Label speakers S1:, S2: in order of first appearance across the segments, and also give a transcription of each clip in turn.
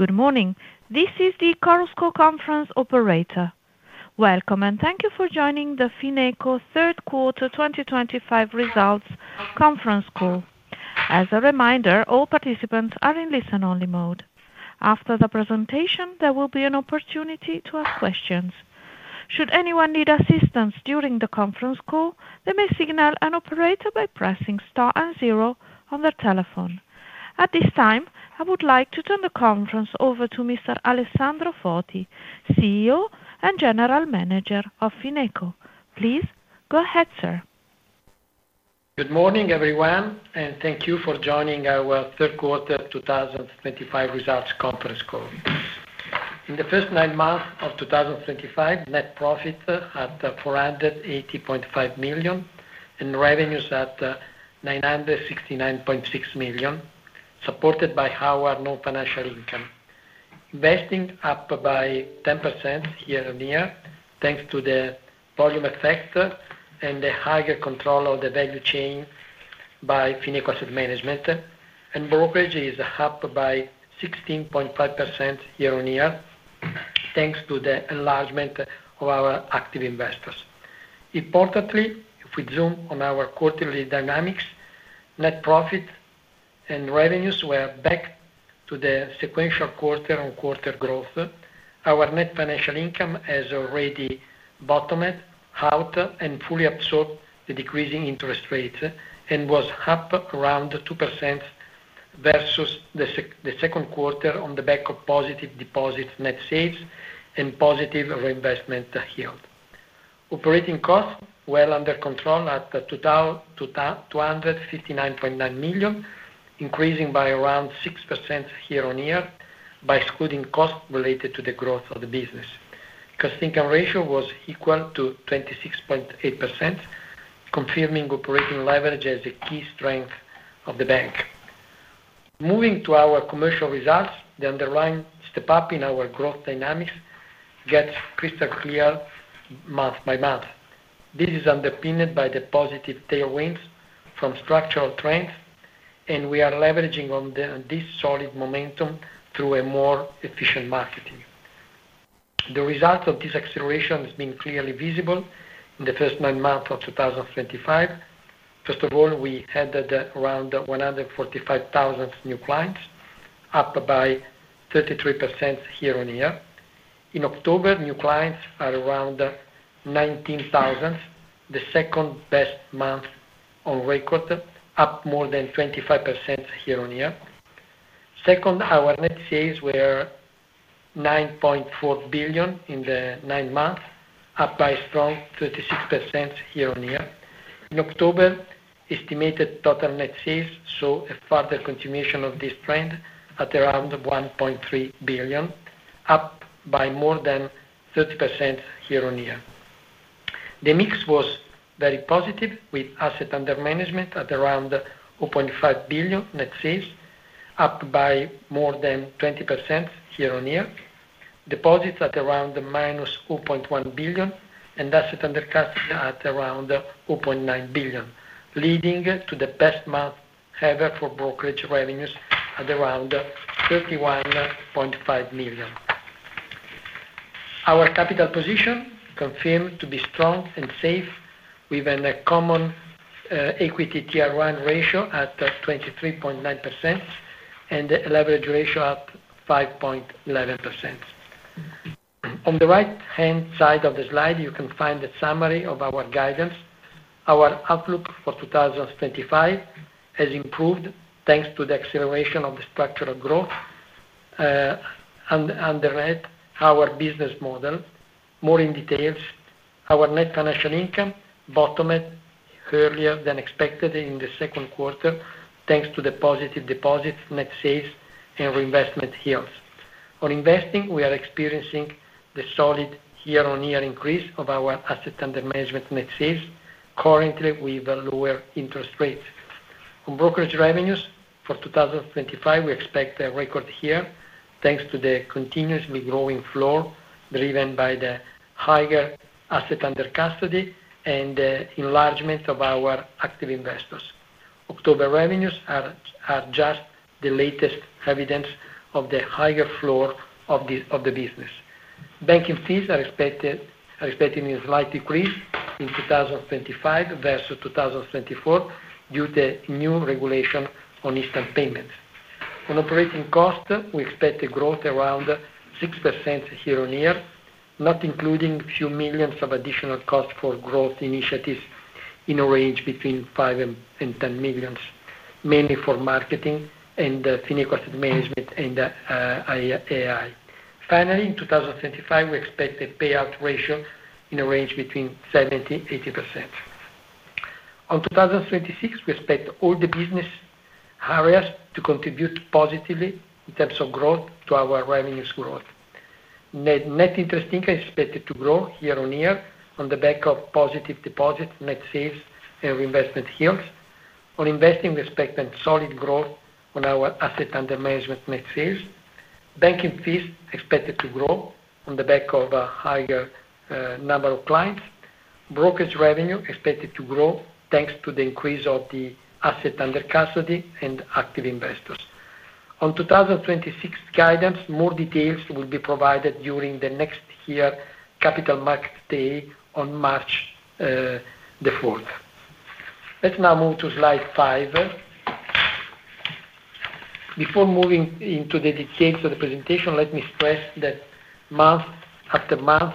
S1: Good morning, this is the Corusco Conference Operator. Welcome and thank you for joining the Fineco third quarter 2025 results conference call. As a reminder, all participants are in listen only mode. After the presentation there will be an opportunity to ask questions. Should anyone need assistance during the conference call, they may signal an operator by pressing on their telephone. At this time I would like to turn the conference over to Mr. Alessandro Foti, CEO and General Manager of Fineco. Please go ahead sir.
S2: Good morning everyone and thank you for joining our third quarter 2025 results conference call. In the first nine months of 2025, net profit at 480.5 million and revenues at 969.6 million supported by our non financial income investing up by 10% year on year thanks to the volume effect and the higher control of the value chain by Fineco Asset Management and brokerage is up by 16.5% year on year thanks to the enlargement of our active investors. Importantly, if we zoom on our quarterly dynamics, net profit and revenues were back to the sequential quarter. On quarter growth our net financial income has already bottomed out and fully absorbed the decreasing interest rates and was up around 2% versus the second quarter on the back of positive deposits, net sales and positive reinvestment yield. Operating costs well under control at 259.9 million, increasing by around 6% year on year. By excluding costs related to the growth of the business, cost income ratio was equal to 26.8%, confirming operating leverage as a key strength of the bank. Moving to our commercial results, the underlying step up in our growth dynamics gets crystal clear month by month. This is underpinned by the positive tailwinds from structural trends and we are leveraging on this solid momentum through a more efficient marketing. The result of this acceleration has been clearly visible in the first nine months of 2025. First of all, we had around 145,000 new clients, up by 33% year on year. In October, new clients are around 19,000, the second best month on record, up more than 25% year on year. Second, our net sales were 9.4 billion in the nine months, up by strong 36% year on year. In October, estimated total net sales saw a further continuation of this trend at around 1.3 billion, up by more than 30% year on year. The mix was very positive with asset under management at around 0.5 billion, net sales up by more than 20% year on year, deposits at around -0.1 billion, and asset under custody at around 0.9 billion leading to the best month ever for brokerage revenues at around 31.5 million. Our capital position confirmed to be strong and safe with a Common Equity Tier 1 ratio at 23.9% and leverage ratio at 5.9. On the right hand side of the slide you can find a summary of our guidance. Our outlook for 2025 has improved thanks to the acceleration of the structure of growth underneath our business model. More in details our net financial income bottomed earlier than expected in the second quarter thanks to the positive deposit net sales and reinvestment yields on investing. We are experiencing the solid year-on-year increase of our asset under management net sales currently with lower interest rates on brokerage revenues. For 2025 we expect a record here thanks to the continuously growing floor driven by the higher assets under custody and the enlargement of our active investors. October revenues are just the latest evidence of the higher floor of the business. Banking fees are expecting a slight decrease in 2025 versus 2024 due to new regulation on instant payments. On operating cost we expect a growth around 6% year-on-year, not including a few millions of additional costs for growth initiatives in a range between 5 million-10 million mainly for marketing and Fineco Asset Management and AI. Finally, in 2025 we expect a payout ratio in a range between 70%-80%. On 2026 we expect all the business areas to contribute positively in terms of growth to our revenues. Growth net interest income is expected to grow year on year on the back of positive deposits, net sales, and reinvestment yields on investing respect and solid growth on our asset under management. Net sales banking fees expected to grow on the back of a higher number of clients. Brokerage revenue expected to grow thanks to the increase of the asset under custody and active investors on 2026. Guidance, more details will be provided during the next year here Capital Markets Day on March 4th. Let's now move to slide five. Before moving into the details of the presentation, let me stress that month after month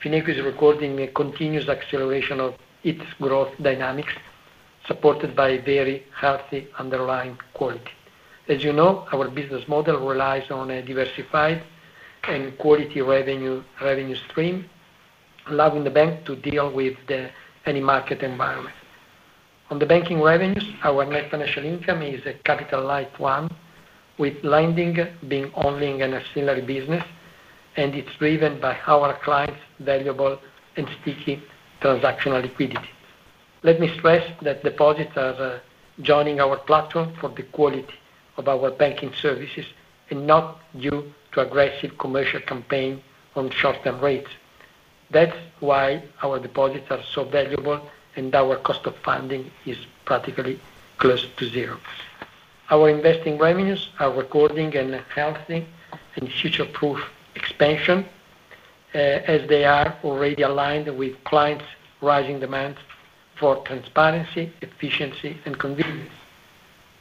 S2: Fineco is recording a continuous acceleration of its growth dynamics supported by very healthy underlying quality. As you know, our business model relies on a diversified and quality revenue stream allowing the bank to deal with any market environment on the banking revenues. Our net financial income is a capital light one with lending being only an auxiliary business and it's driven by our clients' valuable and sticky transactional liquidity. Let me stress that deposits are joining our platform for the quality of our banking services and not due to aggressive commercial campaign on short-term rates. That's why our deposits are so valuable and our cost of funding is practically close to zero. Our investing revenues are recording a healthy and future-proof expansion as they are already aligned with clients' rising demands for transparency, efficiency, and convenience.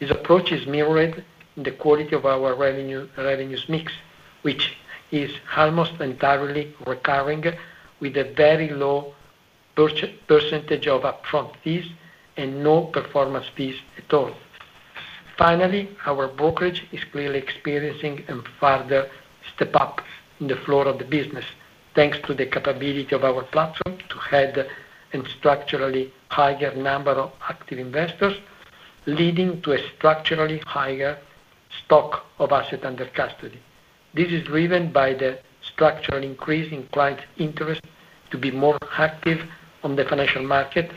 S2: This approach is mirrored in the quality of our revenues mix, which is almost entirely recurring with a very low percentage of upfront fees and no performance fees at all. Finally, our brokerage is clearly experiencing a further step up in the floor of the business thanks to the capability of our platform to head a structurally higher number of active investors, leading to a structurally higher stock of assets under custody. This is driven by the structural increase in client interest to be more active on the financial market,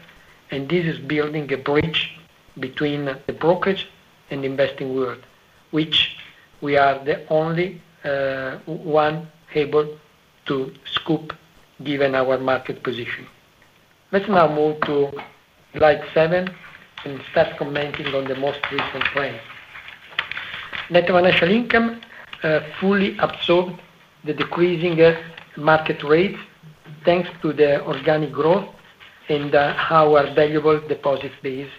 S2: and this is building a bridge between the brokerage and investing world, which we are the only one here able to scoop given our market position. Let's now move to slide 7 and start commenting on the most recent trend. Net Financial Income fully absorbed the decreasing market rates thanks to the organic growth and how our variable deposits base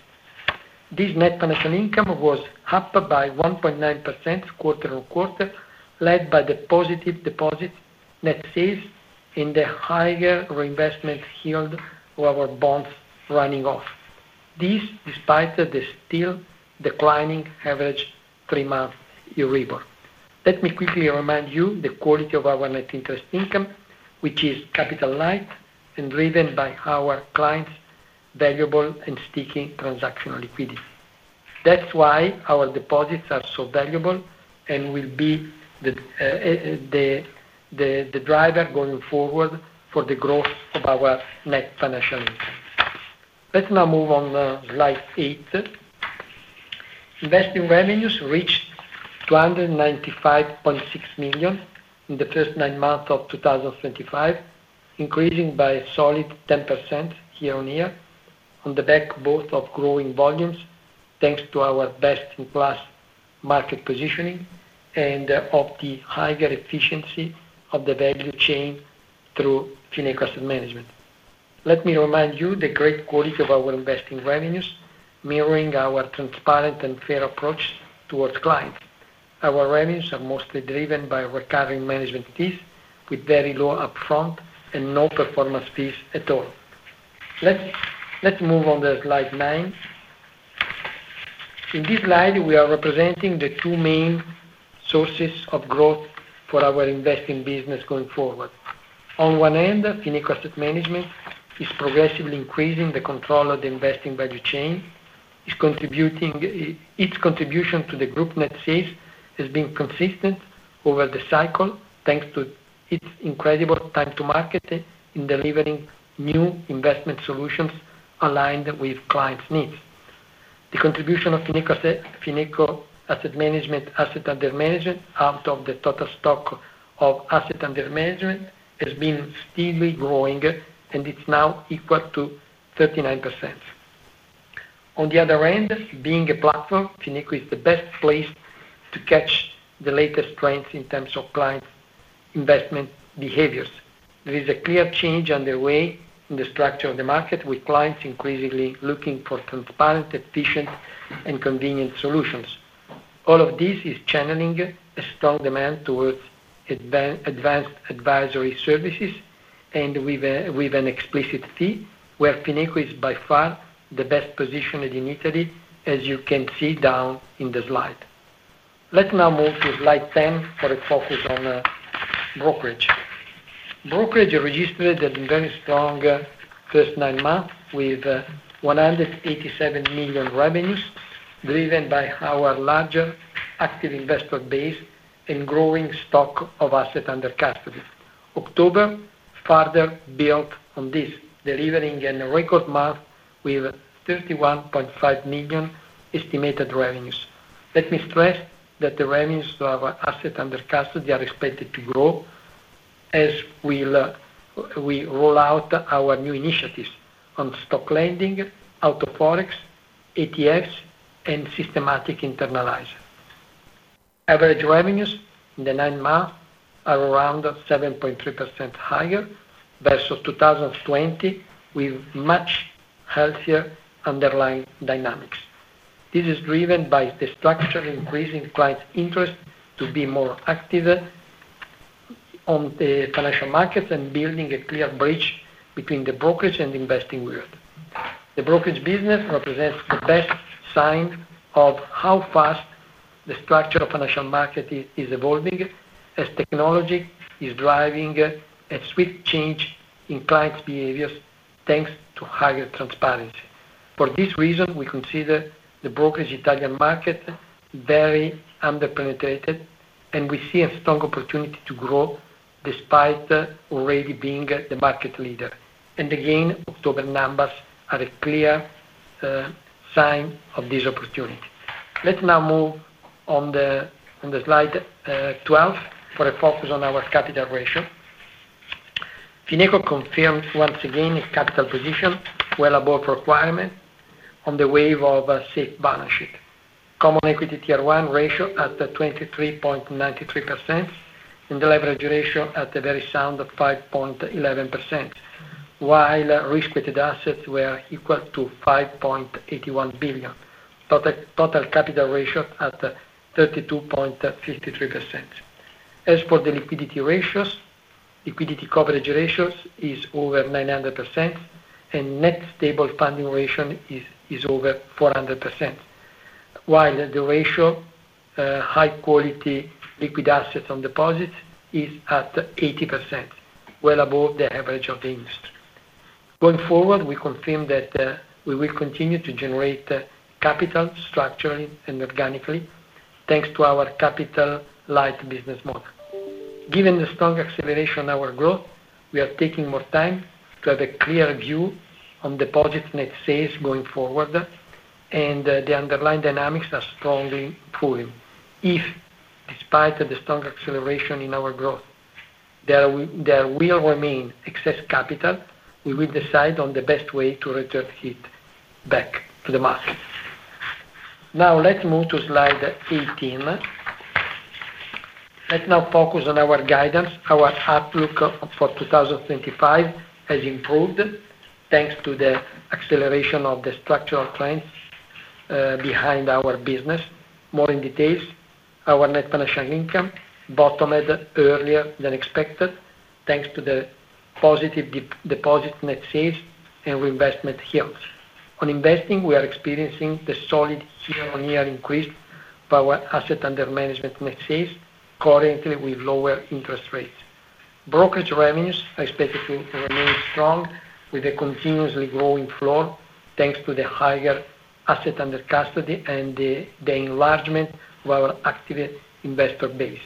S2: this Net Financial Income was up by 1.9% quarter on quarter led by the positive deposit net sales in the higher reinvestment yield of our bonds running off this despite the still declining average 3 month EURIBOR. Let me quickly remind you the quality of our Net Interest Income which is capital light and driven by our clients' valuable and sticky transactional liquidity. That's why our deposits are so valuable and will be the driver going forward for the growth of our Net Financial Income. Let's now move on slide 8. Investing revenues reached 295.6 million in the first nine months of 2025, increasing by a solid 10% year on year on the back both of growing volumes thanks to our best-in-class market positioning and of the higher efficiency of the value chain through Fineco Asset Management. Let me remind you the great quality of our investing revenues, mirroring our transparent and fair approach towards clients. Our revenues are mostly driven by recurring management with very low upfront and no performance fees at all. Let's move on to slide 9. In this slide, we are representing the two main sources of growth for our investing business going forward. On one end, Fineco Asset Management is progressively increasing. The control of the investing value chain is contributing its contribution to the group. Net sales has been consistent over the cycle thanks to its incredible time to market in delivering new investment solutions aligned with clients' needs. The contribution of Fineco Asset Management Asset Under Management out of the total stock of Asset Under Management has been steadily growing and it's now equal to 39%. On the other hand, being a platform, Fineco is the best place to catch the latest trends in terms of client investment behaviors. There is a clear change underway in the structure of the market with clients increasingly looking for transparent, efficient, and convenient solutions. All of this is channeling a strong demand towards advanced advisory services and with an explicit fee where Fineco is by far the best position in Italy as you can see down in the slide. Let's now move to slide 10 for a focus on brokerage. Brokerage registered a very strong first nine months with 187 million revenues driven by our larger active investor base and growing stock of assets under custody. October further built on this, delivering in a record month with 31.5 million estimated revenues. Let me stress that the revenues of assets under custody are expected to grow as we roll out our new initiatives on stock lending, auto forex, ETFs, and systematic internalizer. Average revenues in the nine months are around 7.3% higher versus 2020 with much healthier underlying dynamics. This is driven by the structural increasing clients' interest to be more active on the financial markets and building a clear bridge between the brokerage and investing world. The brokerage business represents the best sign of how fast the structure of financial market is evolving as technology is driving a swift change in clients' behaviors thanks to higher transparency. For this reason we consider the brokerage Italian market very underpenetrated and we see a strong opportunity to grow despite already being the market leader. Again, October numbers are a clear sign of this opportunity. Let's now move on to slide 12 for a focus on our capital ratio. Fineco confirmed once again its capital position well above requirement on the wave of a safe balance sheet. Common Equity Tier 1 ratio at 23.93% and the leverage ratio at a very sound 5.11% while risk weighted assets were equal to 5.81 billion, total capital ratio at 32.53%. As for the liquidity ratios, liquidity coverage ratio is over 900% and net stable funding ratio is over 400% while the ratio of high quality liquid assets on deposits is at 80%, well above the average of the industry going forward. We confirm that we will continue to generate capital structurally and organically thanks to our capital light business model. Given the strong acceleration of our growth, we are taking more time to have a clear view on deposit net sales going forward and the underlying dynamics are strongly pulling. If despite the strong acceleration in our growth there will remain excess capital, we will decide on the best way to return it back to the market. Now let's move to slide 18. Let's now focus on our guidance. Our outlook for 2025 has improved thanks to the acceleration of the structural trends behind our business. More in details, our net financial income bottomed earlier than expected thanks to the positive deposit net sales and reinvestment yields on investing. We are experiencing the solid year-on-year increase power. Asset under management net sales currently with lower interest rates. Brokerage revenues are expected to remain strong with a continuously growing floor thanks to the higher assets under custody and the enlargement of our active investor base.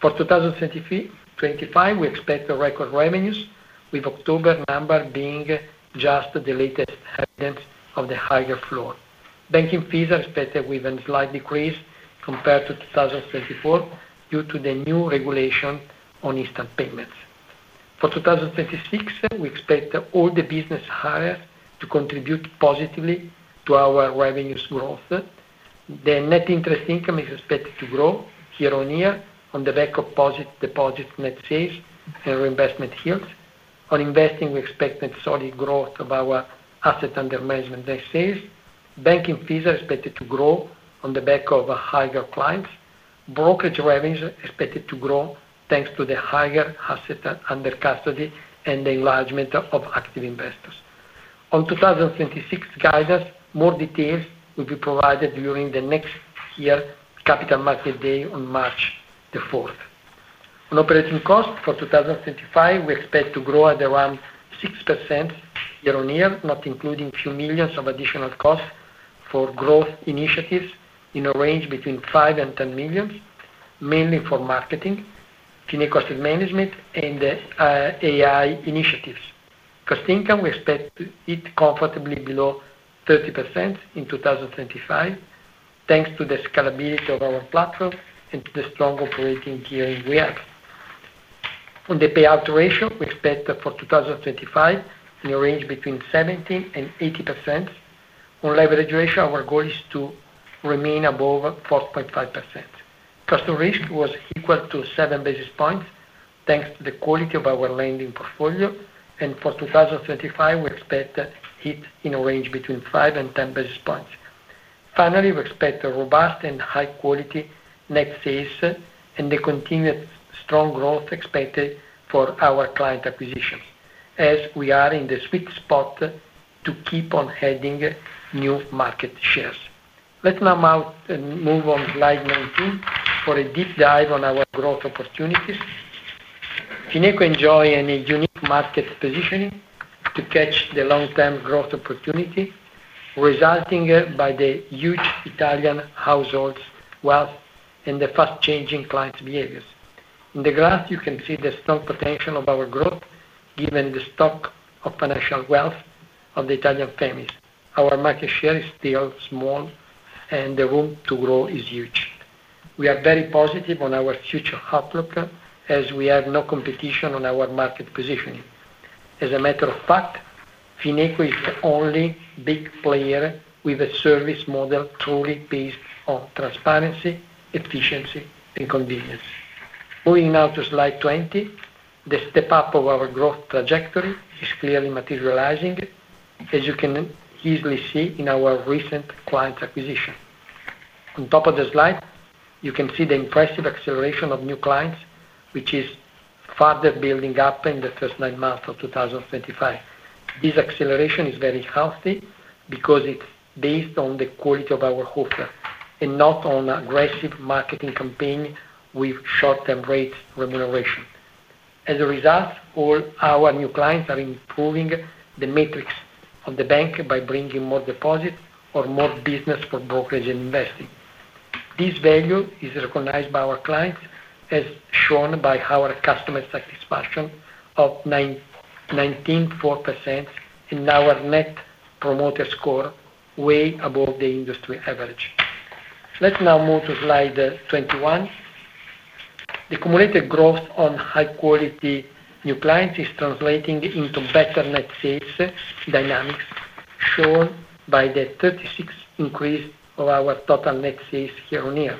S2: For 2025, we expect record revenues with October number being just the latest headings of the higher floor. Banking fees are expected with a slight decrease compared to 2024 due to the new regulation on instant payments. For 2026, we expect all the business hires to contribute positively to our revenues. Growth, the net interest income is expected to grow year on year on the back of positive deposits, net sales, and reinvestment yields on investing. We expected solid growth of our asset under management. Net sales banking fees are expected to grow on the back of higher clients. Brokerage revenues expected to grow thanks to the higher assets under custody and the enlargement of active investors on 2026. Guidance, more details will be provided during the next year Capital Market Day on March 4th. On operating costs for 2025, we expect to grow at around 6% year on year, not including few millions of additional costs for growth initiatives in a range between 5 million-10 million, mainly for marketing, Fineco Asset management, and AI initiatives. Cost income we expect it comfortably below 30% in 2025 thanks to the scalability of our platform and to the strong operating gear we have. On the payout ratio we expect for 2025 in a range between 70% and 80%. On leverage ratio our goal is to remain above 4.5%. Customer risk was equal to 7 basis points thanks to the quality of our lending portfolio and for 2025 we expect it in a range between 5 and 10 basis points. Finally, we expect a robust and high quality net sales and the continued strong growth expected for our client acquisitions as we are in the sweet spot to keep on adding new market shares. Let's now move on slide 19 for a deep dive on our growth opportunities. Fineco enjoys a unique market positioning to catch the long-term growth opportunity resulting from the huge Italian households' wealth and the fast-changing client behaviors. In the graph you can see the strong potential of our growth given the stock of financial wealth of the Italian families. Our market share is still small and the room to grow is huge. We are very positive on our future outlook as we have no competition on our market positioning. As a matter of fact, Fineco is the only big player with a service model truly based on transparency, efficiency, and convenience. Moving now to slide 20, the step up of our growth trajectory is clearly materializing as you can easily see in our recent client acquisition. On top of the slide you can see the impressive acceleration of new clients which is further building up in the first nine months of 2025. This acceleration is very healthy because it's based on the quality of our offer and not on aggressive marketing campaign with short-term rate remuneration. As a result, all our new clients are improving the metrics of the bank by bringing more deposit or more business for brokerage and investing. This value is recognized by our clients as shown by how our customer satisfaction of 19.4% and our net promoter score way above the industry average. Let's now move to slide 21. The cumulative growth on high quality new clients is translating into better net sales dynamics shown by the 36% increase of our total net sales here on earth.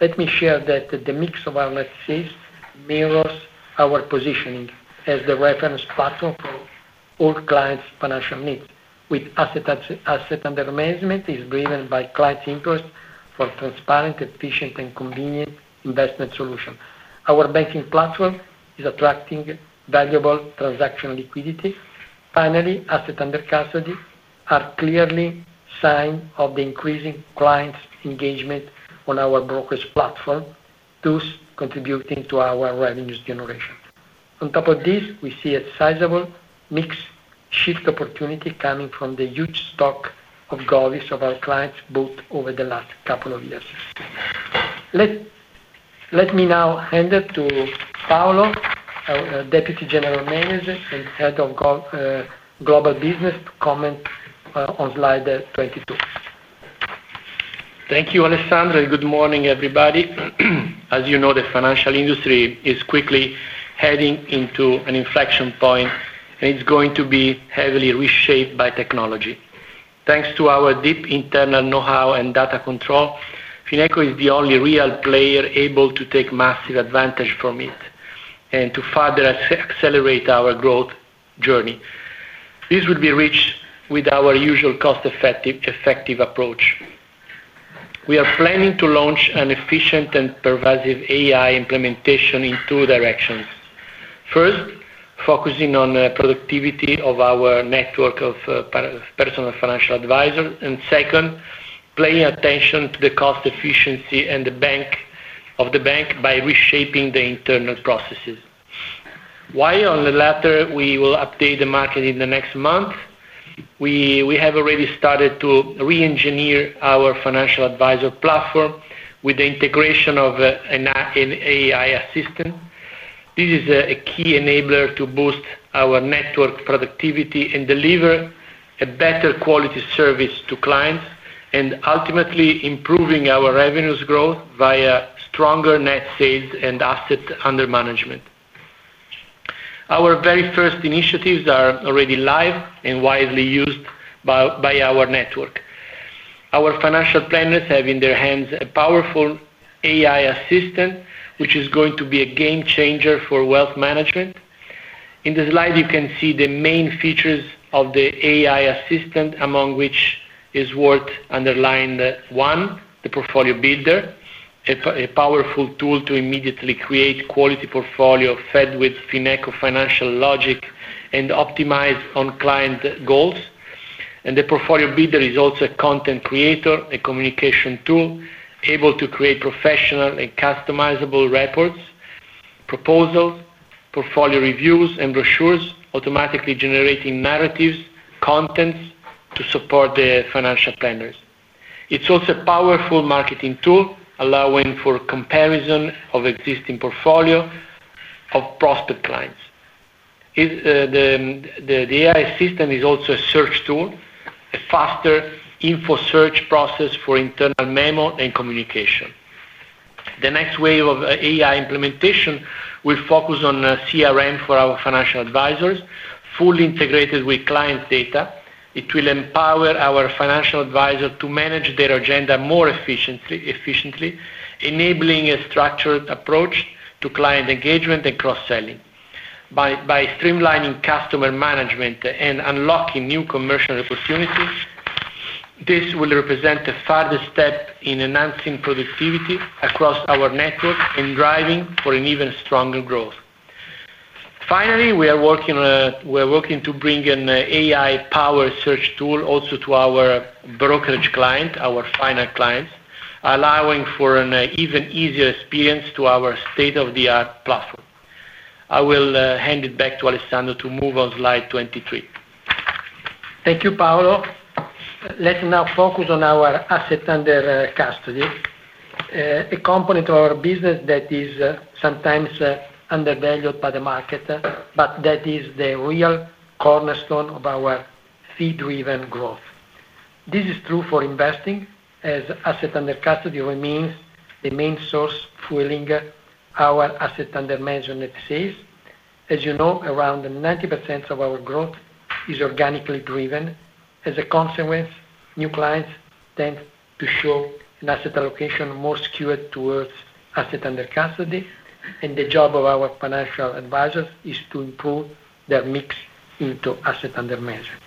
S2: Let me share that the mix of our net sales mirrors our positioning as the reference platform for all clients. Financial needs with asset under management is driven by clients' interest for transparent, efficient, and convenient investment solutions. Our banking platform is attracting valuable transactional liquidity. Finally, assets under custody are clearly a sign of the increasing client engagement on our brokerage platform, thus contributing to our revenues generation. On top of this, we see a sizable mix shift opportunity coming from the huge stock of govis of our clients both over the last couple of years. Let me now hand it to Paolo, Deputy General Manager and Head of Global Business, to comment on slide 22.
S3: Thank you, Alessandro. Good morning, everybody. As you know, the financial industry is quickly heading into an inflection point, and it's going to be heavily reshaped by technology. Thanks to our deep internal know-how and data control, Fineco is the only real player able. To take massive advantage from it. To further accelerate our growth journey. This would be reached with our usual cost effective approach. We are planning to launch an efficient and pervasive AI implementation in two directions. First, focusing on productivity of our network of personal financial advisors and second, paying. Attention to the cost efficiency of the bank by reshaping the internal processes while on the latter we will update the market in the next month. We have already started to re-engineer our financial advisor platform with the integration of an AI Assistant. This is a key enabler to boost our network productivity and deliver a better quality service to clients and ultimately improving our revenues growth via stronger net sales and assets under management. Our very first initiatives are already live and widely used by our network. Our financial planners have in their hands a powerful AI Assistant which is going to be a game changer for wealth management. In the slide you can see the main features of the AI Assistant among which is worth underlined one the Portfolio Bidder, a powerful tool to immediately create quality portfolio fed with Fineco financial logic and optimized on client goals. The Portfolio Bidder is also a content creator, a communication tool able to create professional and customizable reports, proposals, portfolio reviews and brochures automatically generating narratives contents. To support the financial planners. It's also a powerful marketing tool allowing for comparison of existing portfolio of prospect clients. The AI system is also a search. Tool, a faster info search process for internal memo and communication. The next wave of AI implementation will focus on CRM for our financial advisors. Fully integrated with client data. It will empower our financial advisor to manage their agenda more efficiently, enabling a structured approach to client engagement and cross selling. By streamlining customer management and unlocking new commercial opportunities, this will represent the further step in enhancing productivity across our network and driving for an even stronger growth. Finally, we are working to bring an AI power search tool also to our brokerage client, our Fineco clients, allowing for an even easier experience to our state of the art platform. I will hand it back to Alessandro to move on slide 23.
S2: Thank you Paolo. Let's now focus on our asset under custody, a component of our business that is sometimes undervalued by the market but that is the real cornerstone of our fee driven growth. This is true for investing as asset under custody remains the main source fueling our asset under management. As you know, around 90% of our growth is organically driven. As a consequence, new clients tend to show an asset allocation more skewed towards asset under custody and the job of our financial advisors is to improve their mix into asset under management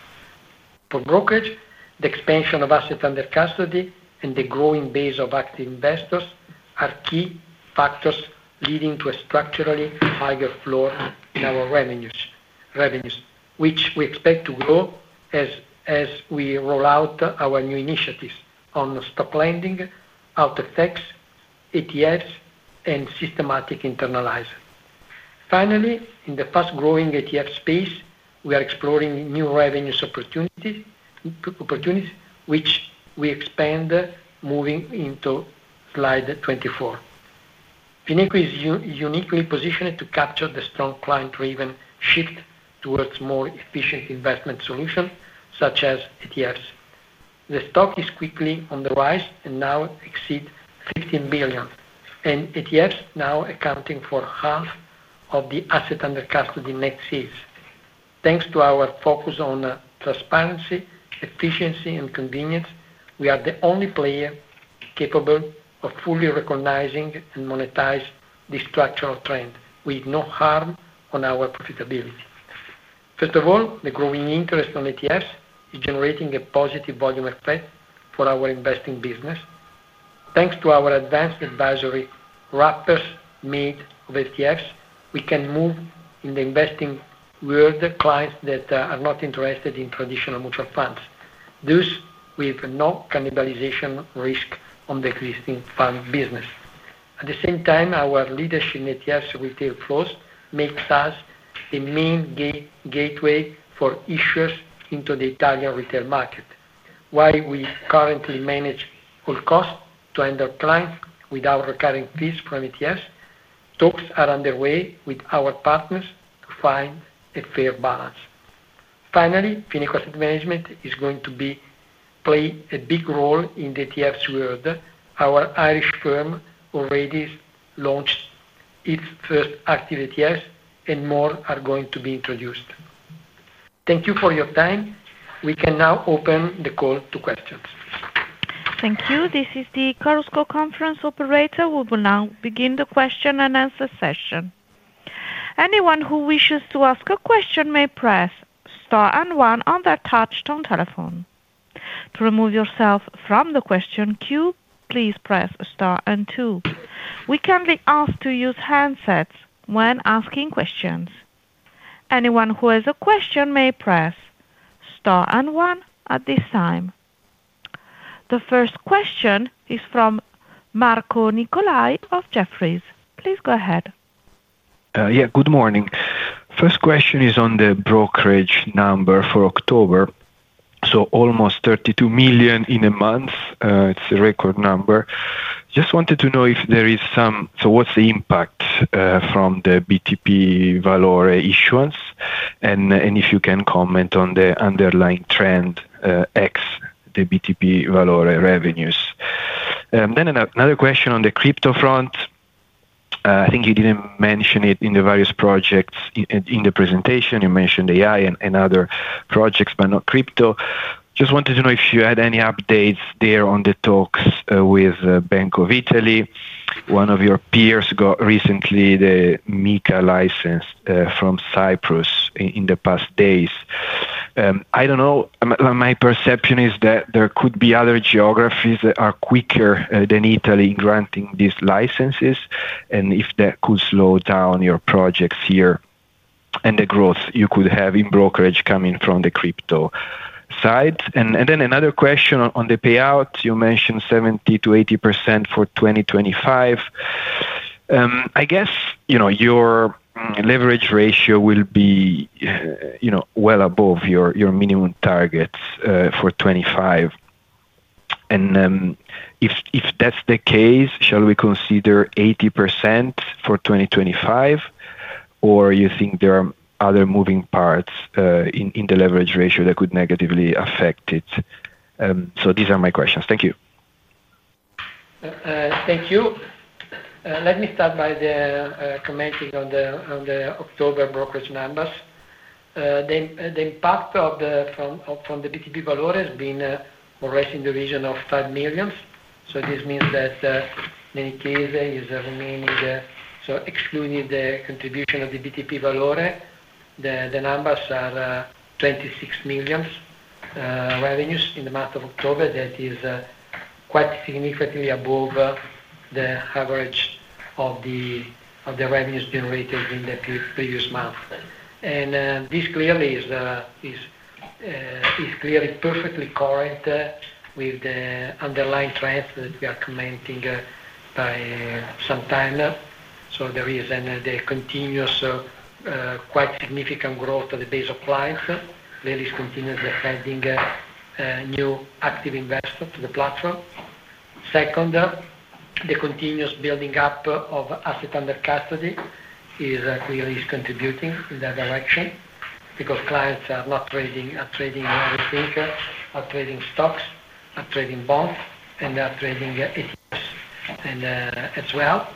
S2: for brokerage. The expansion of asset under custody and the growing base of active investors are key factors leading to a structurally higher floor in our revenues, which we expect to grow as we roll out our new initiatives on stock lending, out of tax ETFs, and systematic internalizer. Finally, in the fast growing ETF space we are exploring new revenues opportunities which we expand. Moving into slide 24, Fineco is uniquely positioned to capture the strong client driven shift towards more efficient investment solutions such as ETFs. The stock is quickly on the rise and now exceed 15 billion and ETFs now accounting for half of the assets under custody. Net sales thanks to our focus on transparency, efficiency and convenience, we are the only player capable of fully recognizing and monetize this structural trend with no harm on our profitability. First of all, the growing interest on ETFs is generating a positive volume effect for our investing business. Thanks to our advanced advisory wrappers made of ETFs we can move in the investing world clients that are not interested in traditional mutual funds, thus with no cannibalization risk on the existing fund business. At the same time, our leadership in ETFs retail flows makes us the main gateway for issuers into the Italian retail market. While we currently manage all costs to end our clients without recurring fees from ETFs, talks are underway with our partners to find a fair balance. Finally, Fineco Asset Management is going to play a big role in the ETFs world. Our Irish firm already launched its first active ETF and more are going to be introduced. Thank you for your time. We can now open the call to questions.
S1: Thank you. This is the Corusco conference operator. We will now begin the question and answer session. Anyone who wishes to ask a question may press star and one on their touch tone telephone. To remove yourself from the question queue, please press star and two. We kindly ask to use handsets when asking questions. Anyone who has a question may press and one at this time. The first question is from Marco Nicolai of Jefferies. Please go ahead.
S4: Yeah, good morning. First question is on the brokerage number for October. So almost 32 million in a month. It's a record number. Just wanted to know if there is some. So what's the impact from the BTP Valore issuance and if you can comment on the underlying Trend X the BTP Valore revenues. Another question on the crypto front. I think you didn't mention it in the various projects. In the presentation you mentioned AI and other projects but not crypto. Just wanted to know if you had any updates there on the talks with Bank of Italy. One of your peers got recently the MiCA license from Cyprus in the past days. I don't know. My perception is that there could be other geographies that are quicker than Italy granting these licenses, and if that could slow down your projects here and the growth you could have in brokerage coming from the crypto side. Another question on the payout, you mentioned 70%-80% for 2025. I guess your leverage ratio will be well above your minimum targets for 2025, and if that's the case, shall we consider 80% for 2025, or you think there are other moving parts in the leverage ratio that could negatively affect it. These are my questions. Thank you.
S2: Thank you. Let me start by commenting on the October brokerage numbers. The impact from the BTP Valore has been already in the region of 5 million. This means that in many cases, excluding the contribution of the BTP Valore, the numbers are 26 million revenues in the month of October. That is quite significantly above the average of the revenues generated in the previous month. This clearly is perfectly current with the underlying trend that we are commenting by some time. There is continuous, quite significant growth at the base of clients, really is continuously adding new active investors to the platform. Second, the continuous building up of assets under custody is contributing in that direction because clients are not trading rethink, are trading stocks, trading bonds and trading as well.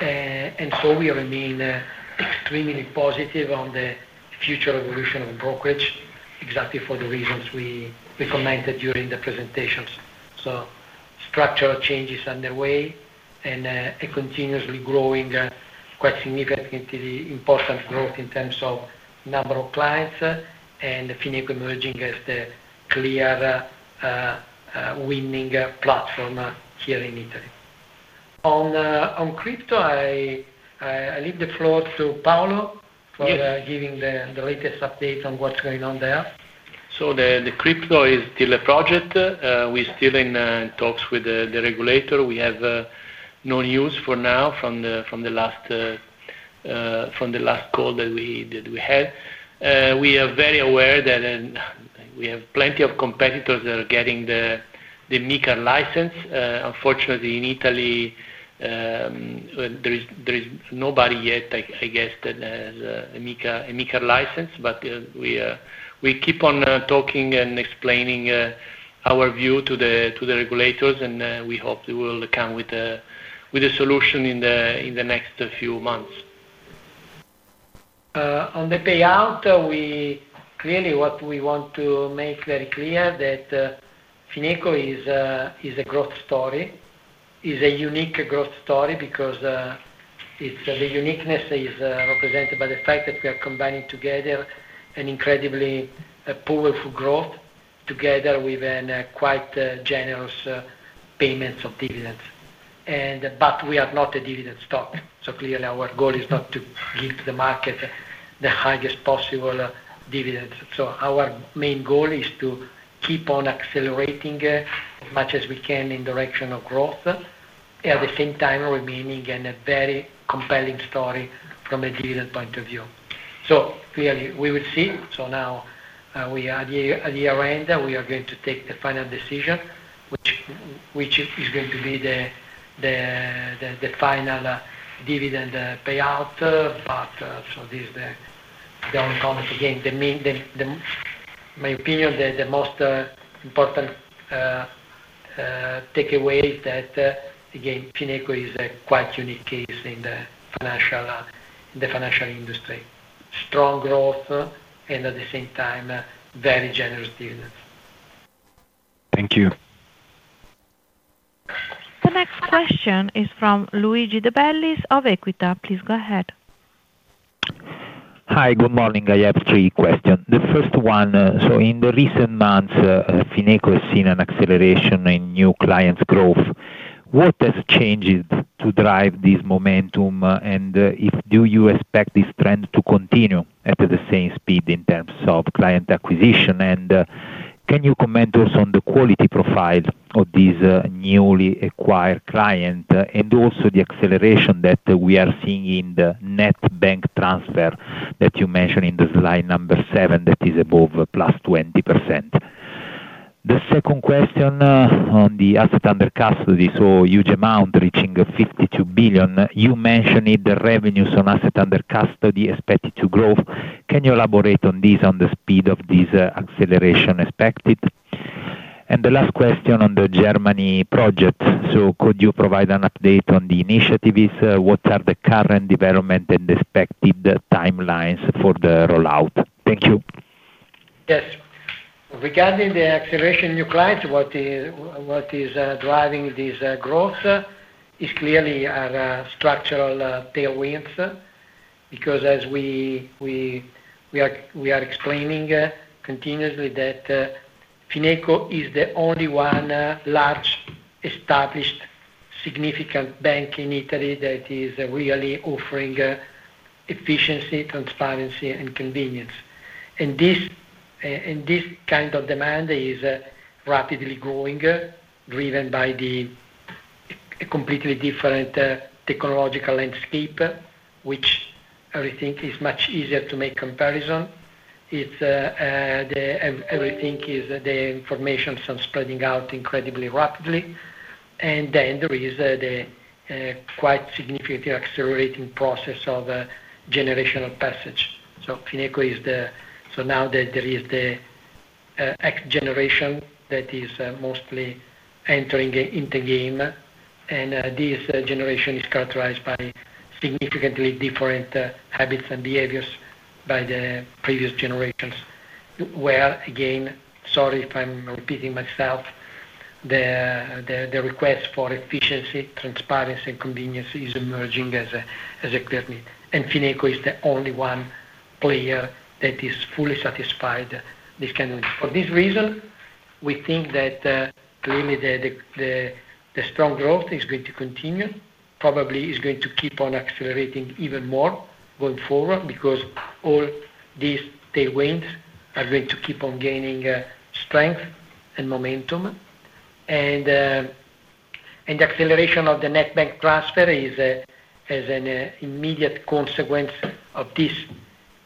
S2: We remain extremely positive on the future evolution of brokerage exactly for the reasons we recommended during the presentations. Structural changes are underway and continuously growing, quite significantly important growth in terms of number of clients and Fineco emerging as the clear winning platform here in Italy on crypto. I leave the floor to Paolo for giving the latest update on what's going on there.
S3: The crypto is still a project. We are still in talks with the regulator. We have no news for now from the last call that we had. We are very aware that we have plenty of competitors that are getting the MiCA license. Unfortunately, in Italy there is nobody yet, I guess, that has a MiCA license. We keep on talking and explaining our view to the regulators, and we hope they will come with a solution in the next few months.
S2: On the payout. We clearly, what we want to make very clear is that Fineco is a growth story, is a unique growth story because the uniqueness is represented by the fact that we are combining together an incredibly powerful growth together with a quite generous payment of dividends. We are not a dividend stock. Clearly, our goal is not to give to the market the highest possible dividends. Our main goal is to keep on accelerating as much as we can in the direction of growth, at the same time remaining in a very compelling story from a dividend point of view. We will see. Now we are at the Arenda, we are going to take the final decision which is going to be the final dividend payout. This is the only comment. Again my opinion, the most important takeaway is that again, Fineco is a quite unique case in the financial industry. Strong growth and at the same time very generous dividends. Thank you.
S1: The next question is from Luigi de Bellis of Equita. Please go ahead.
S5: Hi, good morning. I have three questions. The first one. In the recent months Fineco has seen an acceleration in new clients growth. What has changed to drive this momentum? Do you expect this trend to continue at the same speed in terms of client acquisition? Can you comment also on the quality profile of these newly acquired clients? Also, the acceleration that we are seeing in the net bank transfer that you mentioned in slide number seven that is above +20%. The second question on the asset under custody, a huge amount reaching 52 billion. You mentioned the revenues on assets under custody expected to grow. Can you elaborate on this? On the speed of this acceleration expected. The last question on the Germany project. Could you provide an update on the initiatives? What are the current development and expected timelines for the rollout? Thank you.
S2: Yes, regarding the acceleration new clients, what is driving this growth is clearly structural tailwinds. Because as we are explaining continuously that Fineco is the only one large established, significant bank in Italy that is really offering efficiency, transparency and convenience. This kind of demand is rapidly growing driven by a completely different technological landscape in which everything is much easier to make comparison. Everything is the information spreading out incredibly rapidly. There is the quite significant accelerating process of generational passage. Fineco is the, now that there is the X generation that is mostly entering into game, and this generation is characterized by significantly different habits and behaviors by the previous generations where, again, sorry if I'm repeating myself, the request for efficiency, transparency and convenience is emerging as a, and Fineco is the only one player that is fully satisfied. This kind of for this reason we think that clearly the strong growth is going to continue, probably is going to keep on accelerating even more going forward because all these tailwinds are going to keep on gaining strength and momentum. The acceleration of the net bank transfer is as an immediate consequence of this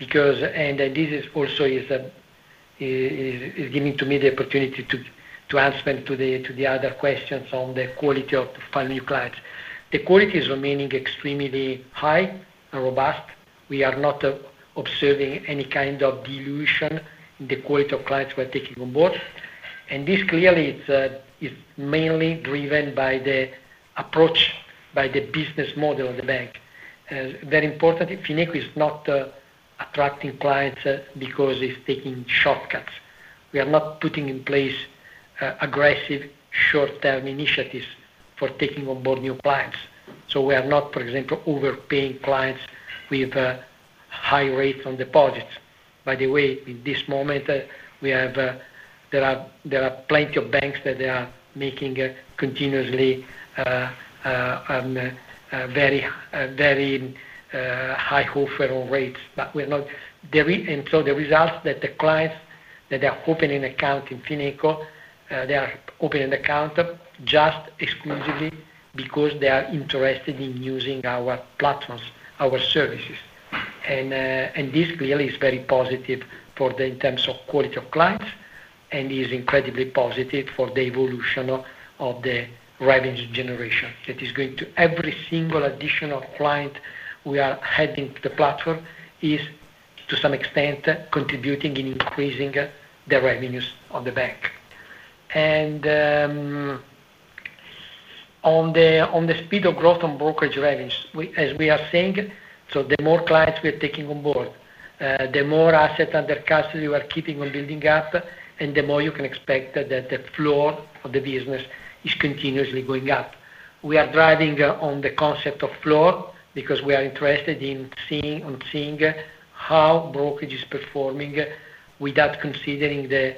S2: because this is also giving to me the opportunity to answer to the other questions on the quality of final new clients. The quality is remaining extremely high and robust. We are not observing any kind of dilution in the quality of clients we are taking on board. This clearly is mainly driven by the approach, by the business model of the bank. Very important, Fineco is not attracting clients because it is taking shortcuts. We are not putting in place aggressive short-term initiatives for taking on board new clients. We are not, for example, overpaying clients with high rates on deposits. By the way, in this moment there are plenty of banks that are making continuously very, very high offer of rates, but we're not. The result is that the clients that are opening account in Fineco, they are opening account just exclusively because they are interested in using our platforms, our services. This clearly is very positive in terms of quality of clients and is incredibly positive for the evolution of the revenue generation that is going to every single additional client we are adding to the platform. It is, to some extent, contributing in increasing the revenues of the bank and on the speed of growth on brokerage revenues as we are saying. The more clients we are taking on board, the more assets under custody you are keeping on building up and the more you can expect that the floor of the business is continuously going up. We are driving on the concept of floor because we are interested in seeing how brokerage is performing without considering the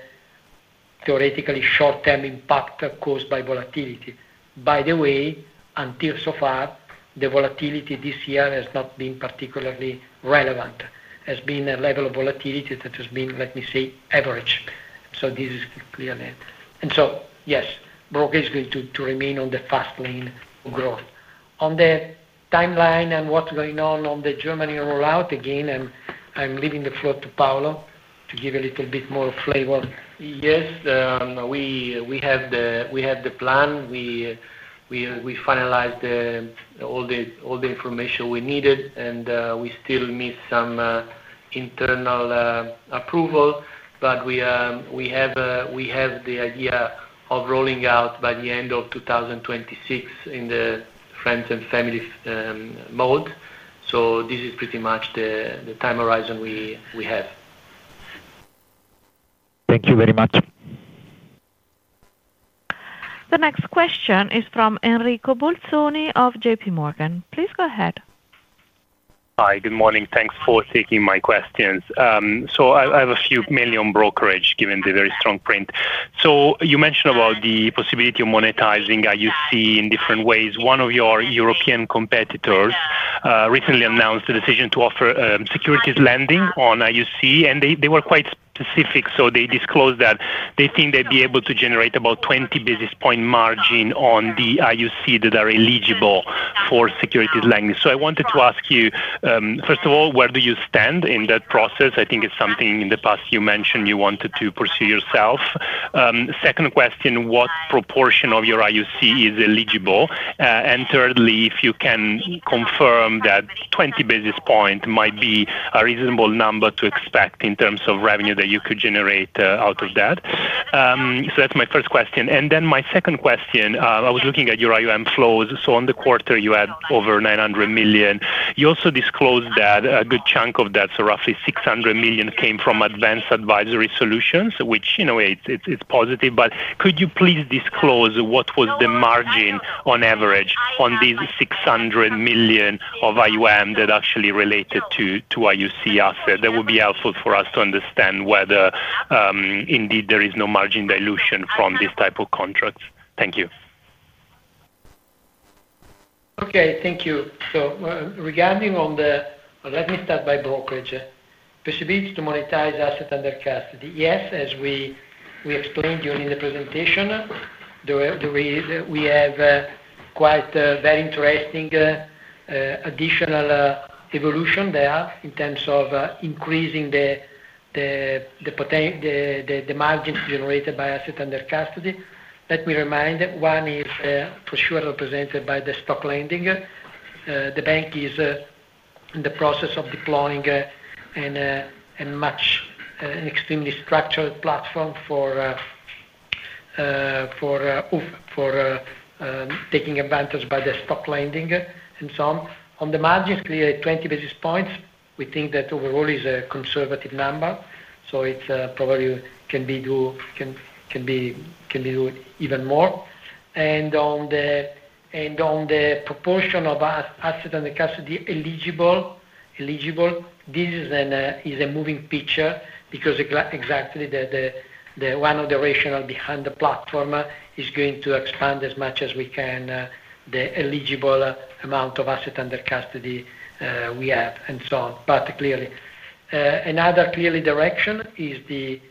S2: theoretically short-term impact caused by volatility. By the way, until so far the volatility this year has not been particularly relevant, has been a level of volatility that has been, let me say, average. This is clearly. Yes, broker is going to remain on the fast lane of growth on the timeline and what is going on on the Germany rollout? Again, I am leaving the floor to Paolo to give a little bit more flavor.
S3: Yes. We have the plan, we finalized all the information we needed and we still miss some internal approval, but we have the idea of rolling out by the end of 2026 in the Friends and family mode. This is pretty much the time horizon we have.
S5: Thank you very much.
S1: The next question is from Enrico Bolzoni of JPMorgan. Please go ahead.
S6: Hi, good morning. Thanks for taking my questions. I have a few, mainly on brokerage given the very strong print. You mentioned the possibility of monetizing AUC in different ways. One of your European competitors recently announced the decision to offer securities lending on AUC and they were quite so. They disclosed that they think they would be able to generate about 20 basis point margin on the AUC that are eligible for securities lending. I wanted to ask you, first of all, where do you stand in that process? I think it is something in the past you mentioned you wanted to pursue yourself. Second question, what proportion of your AUC is eligible? Thirdly, if you can confirm that 20 basis points might be a reasonable number to expect in terms of revenue that you could generate out of that. That's my first question. Then my second question, I was looking at your AUM flows. On the quarter, you had over 900 million. You also disclosed that a good chunk of that, so roughly 600 million, came from advanced Advisory Solutions, which in a way is positive. Could you please disclose what was the margin on average on these 600 million of AUM that actually related to AUC assets? That would be helpful for us to understand whether indeed there is no margin dilution from this type of contracts. Thank you.
S2: Okay, thank you. Regarding the, let me start by brokerage proceeds to monetize assets under custody. Yes, as we explained during the presentation, we have quite very interesting additional evolution there in terms of increasing the margins generated by assets under custody. Let me remind, one is for sure represented by the stock lending. The bank is in the process of deploying a much extremely structured platform for taking advantage by the stock lending. On the margins, clearly 20 basis points, we think that overall is a conservative number. It probably can be even more. On the proportion of assets under custody eligible, this is a moving picture because exactly one of the rationales behind the platform is going to expand as much as we can the eligible amount of assets under custody we have. Clearly another direction, as we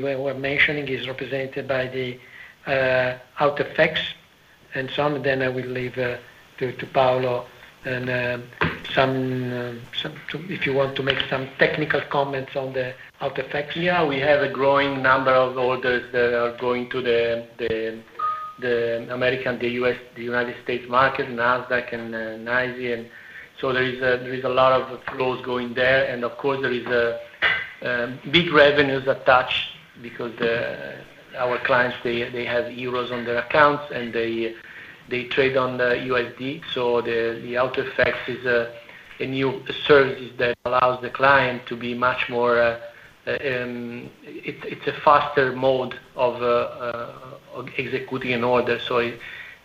S2: were mentioning, is represented by the OutFX and so on. I will leave to Paolo, and if you want, to make some technical comments on the OutFX.
S3: Yeah, we have a growing number of orders that are going to the American, the U.S., the United States market, NASDAQ and NYSE. There is a lot of flows going there of course, there is big revenues attached because our clients, they have euros on their accounts and they trade on the USD. The Autofx is a new service that allows the client to be much more, it's a faster mode of executing an order.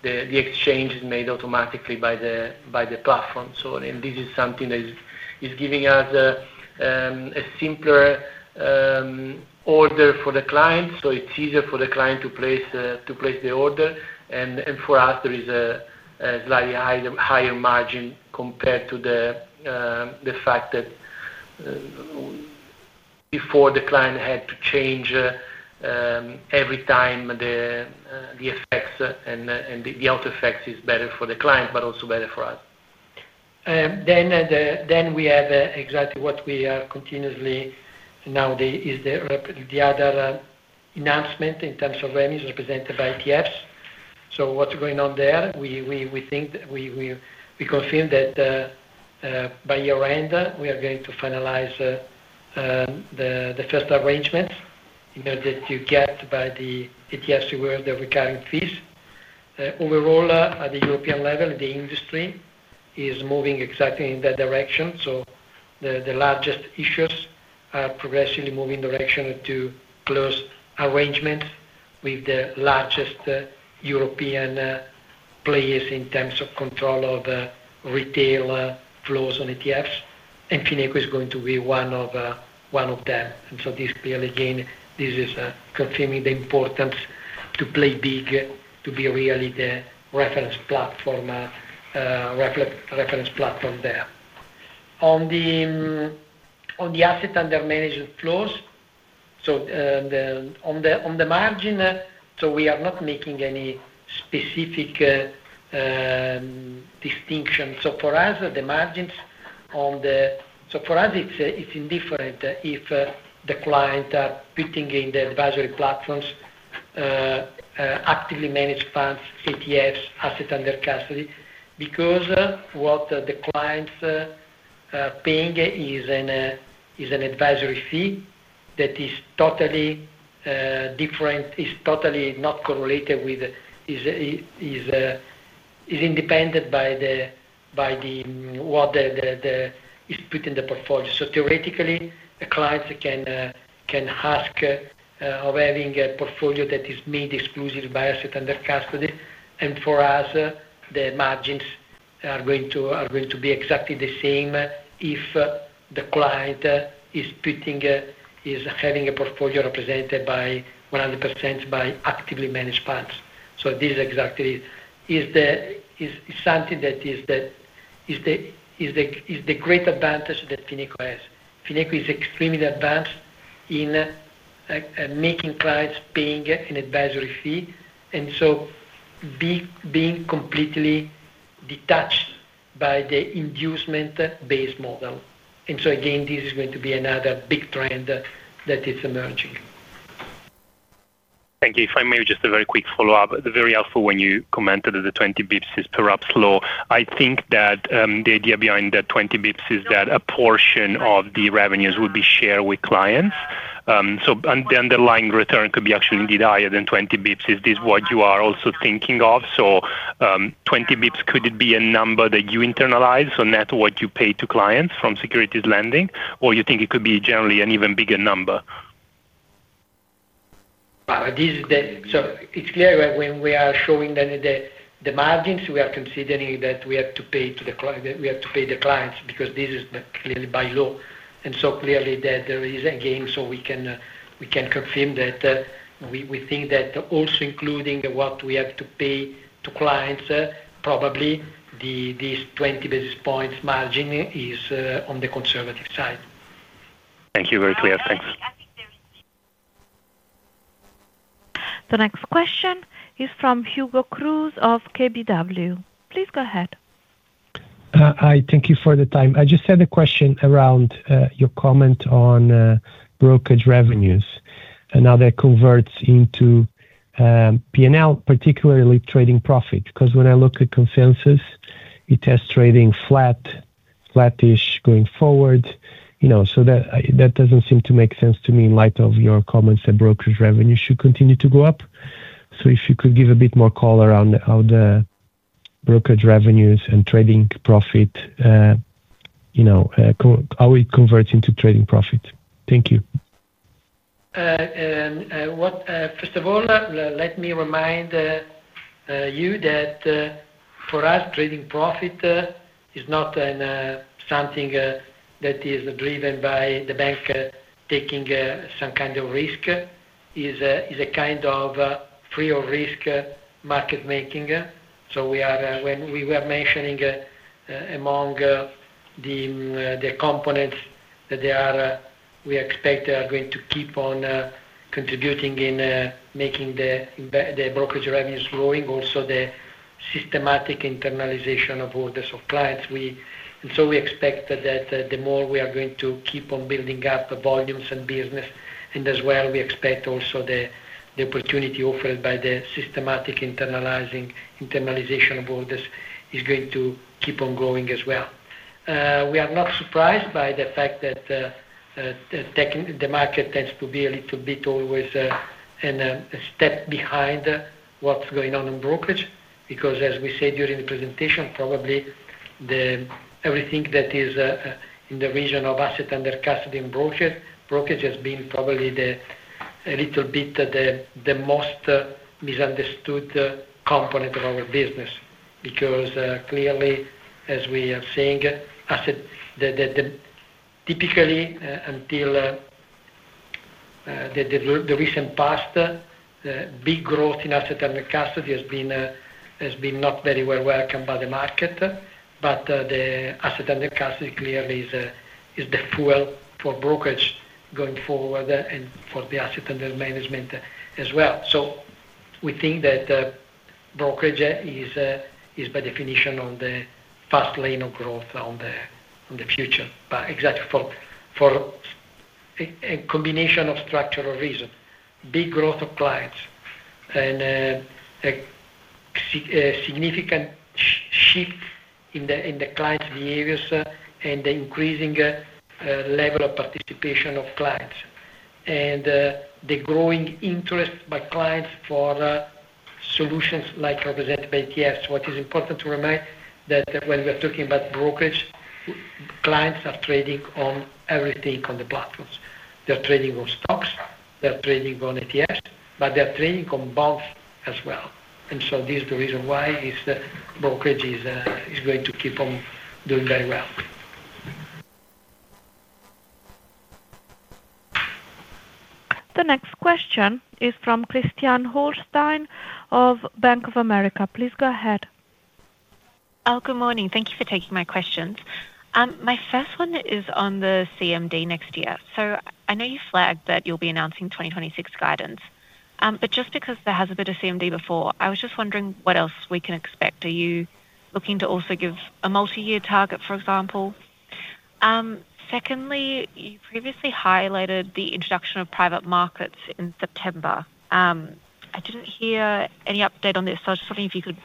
S3: The exchange is made automatically by the platform. This is something that is giving. is a simpler order for the client. It is easier for the client to place the order. For us, there is a slightly higher margin compared to the fact that before the client had to change every time the FX and the out FX. Is better for the client, but also better for us.
S2: We have exactly what we are continuously nowadays is the other announcement in terms of remus represented by ETFs. What's going on there? We think we confirmed that by year end we are going to finalize the first arrangements in order to get by the ETFs rewards the recurring fees. Overall at the European level, the industry is moving exactly in that direction. The largest issuers are progressively moving direction to close arrangements with the largest European players in terms of control of the retail flows on ETFs. Fineco is going to be one of them. This again is consuming the importance to play big to be really the reference platform there on the asset under management flows. On the margin, we are not making any specific distinction. For us, the margins on the— for us, it's indifferent if the client are putting in the advisory platforms actively managed funds, ETFs, assets under custody. Because what the client is paying is an advisory fee that is totally different, is totally not correlated with, is independent by what is put in the portfolio. Theoretically, the clients can ask of having a portfolio that is made exclusive by asset under custody. For us, the margins are going to be exactly the same if the client is having a portfolio represented by 100% by actively managed funds. This exactly is something that is the great advantage that Fineco has. Fineco is extremely advanced in making clients paying an advisory fee and so being completely detached by the inducement-based model. Again, this is going to be another big trend that is emerging.
S6: Thank you. If I may, just a very quick follow-up. Very helpful. When you commented that the 20 basis points is perhaps low, I think that the idea behind the 20 basis points is that a portion of the revenues will be shared with clients. So the underlying return could be actually indeed higher than 20 basis points. Is this what you are also thinking of? So 20 basis points, could it be a number that you internalize, so net what you pay to clients from securities lending, or you think it could be generally an even bigger number?
S2: It's clear when we are showing the margins we are considering that we have to pay to the client, we have to pay the clients because this is clearly by law and so clearly that there is a game. We can confirm that we think that also including what we have to pay to clients, probably this 20 basis points margin is on the conservative side.
S6: Thank you. Very clear.
S2: Thanks.
S1: The next question is from Hugo Cruz of KBW. Please go ahead.
S7: Hi, thank you for the time. I just had a question around your comment on brokerage revenues and how that converts into P&L, particularly trading profit. Because when I look at consensus, it has trading flat, flattish going forward. You know, that does not seem to make sense to me in light of your comments that brokerage revenue should continue to go up. If you could give a bit more color on how the brokerage revenues and trading profit, you know, how it converts into trading profit. Thank you.
S2: First of all, let me remind you that for us, trading profit is not something that is driven by the bank taking some kind of risk, it is a kind of free of risk market making. We are, when we were mentioning among the components that we expect are going to keep on contributing in making the brokerage revenues growing, also the systematic internalization of orders of clients. We expect that the more we are going to keep on building up volumes and business, and as well we expect also the opportunity offered by the systematic internalization of orders is going to keep on growing as well. We are not surprised by the fact that the market tends to be a little bit always a step behind what's going on in brokerage because as we said during the presentation, probably everything that is in the region of asset under custody, brokerage has been probably a little bit the most misunderstood component of our business. Because clearly as we are seeing typically until the recent past, big growth in asset under custody has been not very well welcomed by the market. The asset under custody clearly is the fuel for brokerage going forward and for the asset under management as well. We think that brokerage is by definition on the fast lane of growth in the future, exactly for a combination of structural reason, big growth of clients and significant shift in the client's behaviors and the increasing level of participation of clients and the growing interest by clients for solutions like representative ETFs. What is important to remember is that when we are talking about brokerage, clients are trading on everything on the platforms. They are trading on stocks, they are trading on ETFs, but they are trading on bonds as well. This is the reason why brokerage is going to keep on doing very well.
S1: The next question is from Christiane Holstein of Bank of America. Please go ahead.
S8: Good morning. Thank you for taking my questions. My first one is on the CMD next year. I know you flagged that you'll be announcing 2026 guidance, but just because there has been a bit of CMD before, I was just wondering what else we can expect. Are you looking to also give a multi-year target, for example? Secondly, you previously highlighted the introduction of private markets in September. I did not hear any update on this. I was just hoping if you could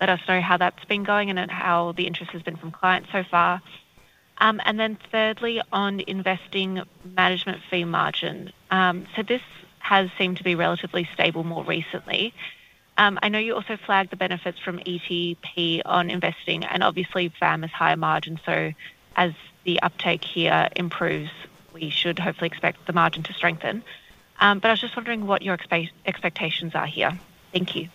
S8: let us know how that's been going and how the interest has been from clients so far. Thirdly, on investing, management fee margin. This has seemed to be relatively stable. More recently I know you also flagged the benefits from ETP on investing and obviously FAM is higher margin. As the uptake here improves, we should hopefully expect the margin to strengthen. I was just wondering what your expectations are here. Thank you.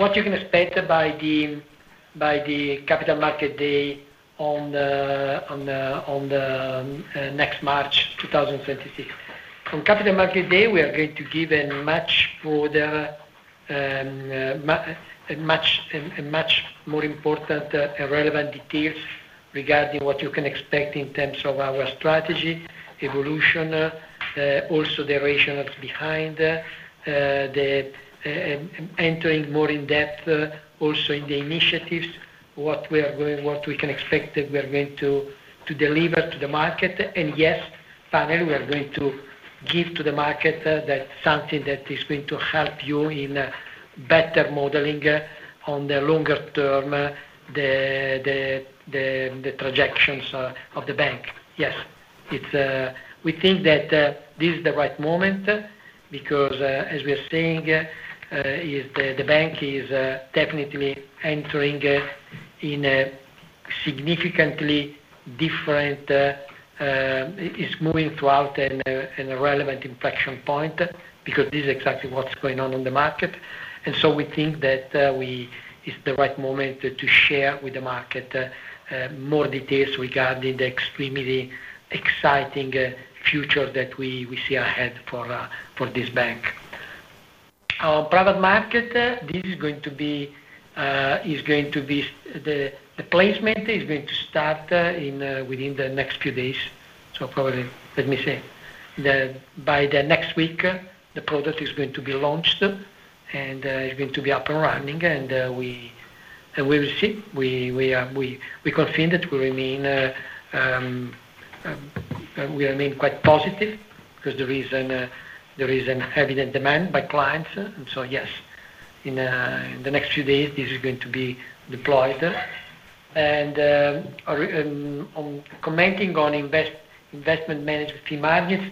S2: What you can expect by the Capital Market Day on next March 2026, on Capital Market Day we are going to give much broader, much more important and relevant details regarding what you can expect in terms of our strategy evolution. Also the duration behind the project, entering more in depth also in the initiatives. What we can expect that we are going to deliver to the market. Yes, finally we are going to give to the market something that is going to help you in better modeling on the longer term the projections of the bank. Yes, we think that this is the right moment because as we are saying the bank is definitely entering in a significantly different, is moving throughout an irrelevant inflection point because this is exactly what's going on in the market. We think that it's the right moment to share with the market more details regarding the extremely exciting future that we see ahead for this bank, our private market. The placement is going to start within the next few days. Probably, let me say by next week, the product is going to be launched and it's going to be up and running. We will see. We confirm that we remain quite positive because there is an evident demand by clients. Yes, in the next few days this is going to be deployed. Commenting on investment management fee markets.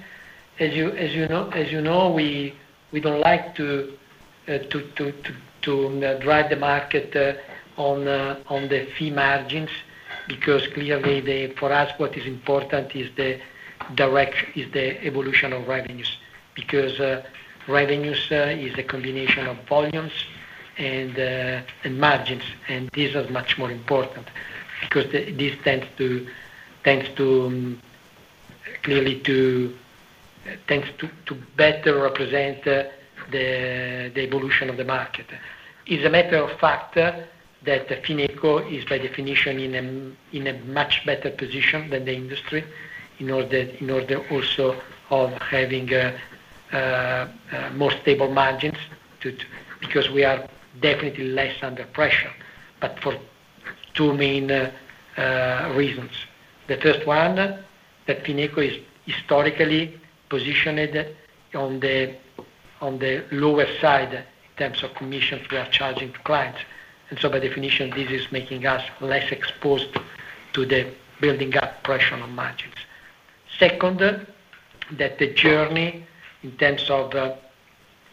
S2: As you know, we do not like to drive the market on the fee margins because clearly for us what is important is the direct, is the evolution of revenues because revenues is a combination of volumes and margins. These are much more important because this tends to clearly to better represent the evolution of the market. It is a matter of fact that Fineco is by definition in a much better position than the industry in order also of having more stable margins because we are definitely less under pressure for two main reasons. The first one, that Fineco is historically positioned on the lower side in terms of commissions we are charging to clients, and so by definition this is making us less exposed to the building up pressure on margins. Second, that the journey in terms of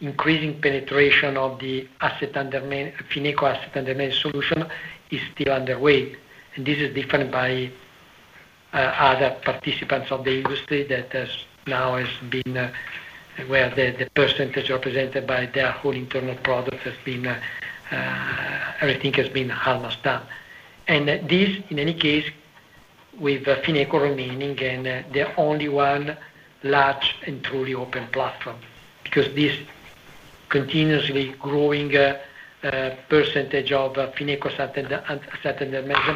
S2: increasing penetration of the asset under main Fineco asset under main solution is still underway. This is different by other participants of the industry that has now been where the percentage represented by their own internal products has been. Everything has been almost done. In any case, with Fineco remaining the only one large and truly open platform. This continuously growing percentage of Fineco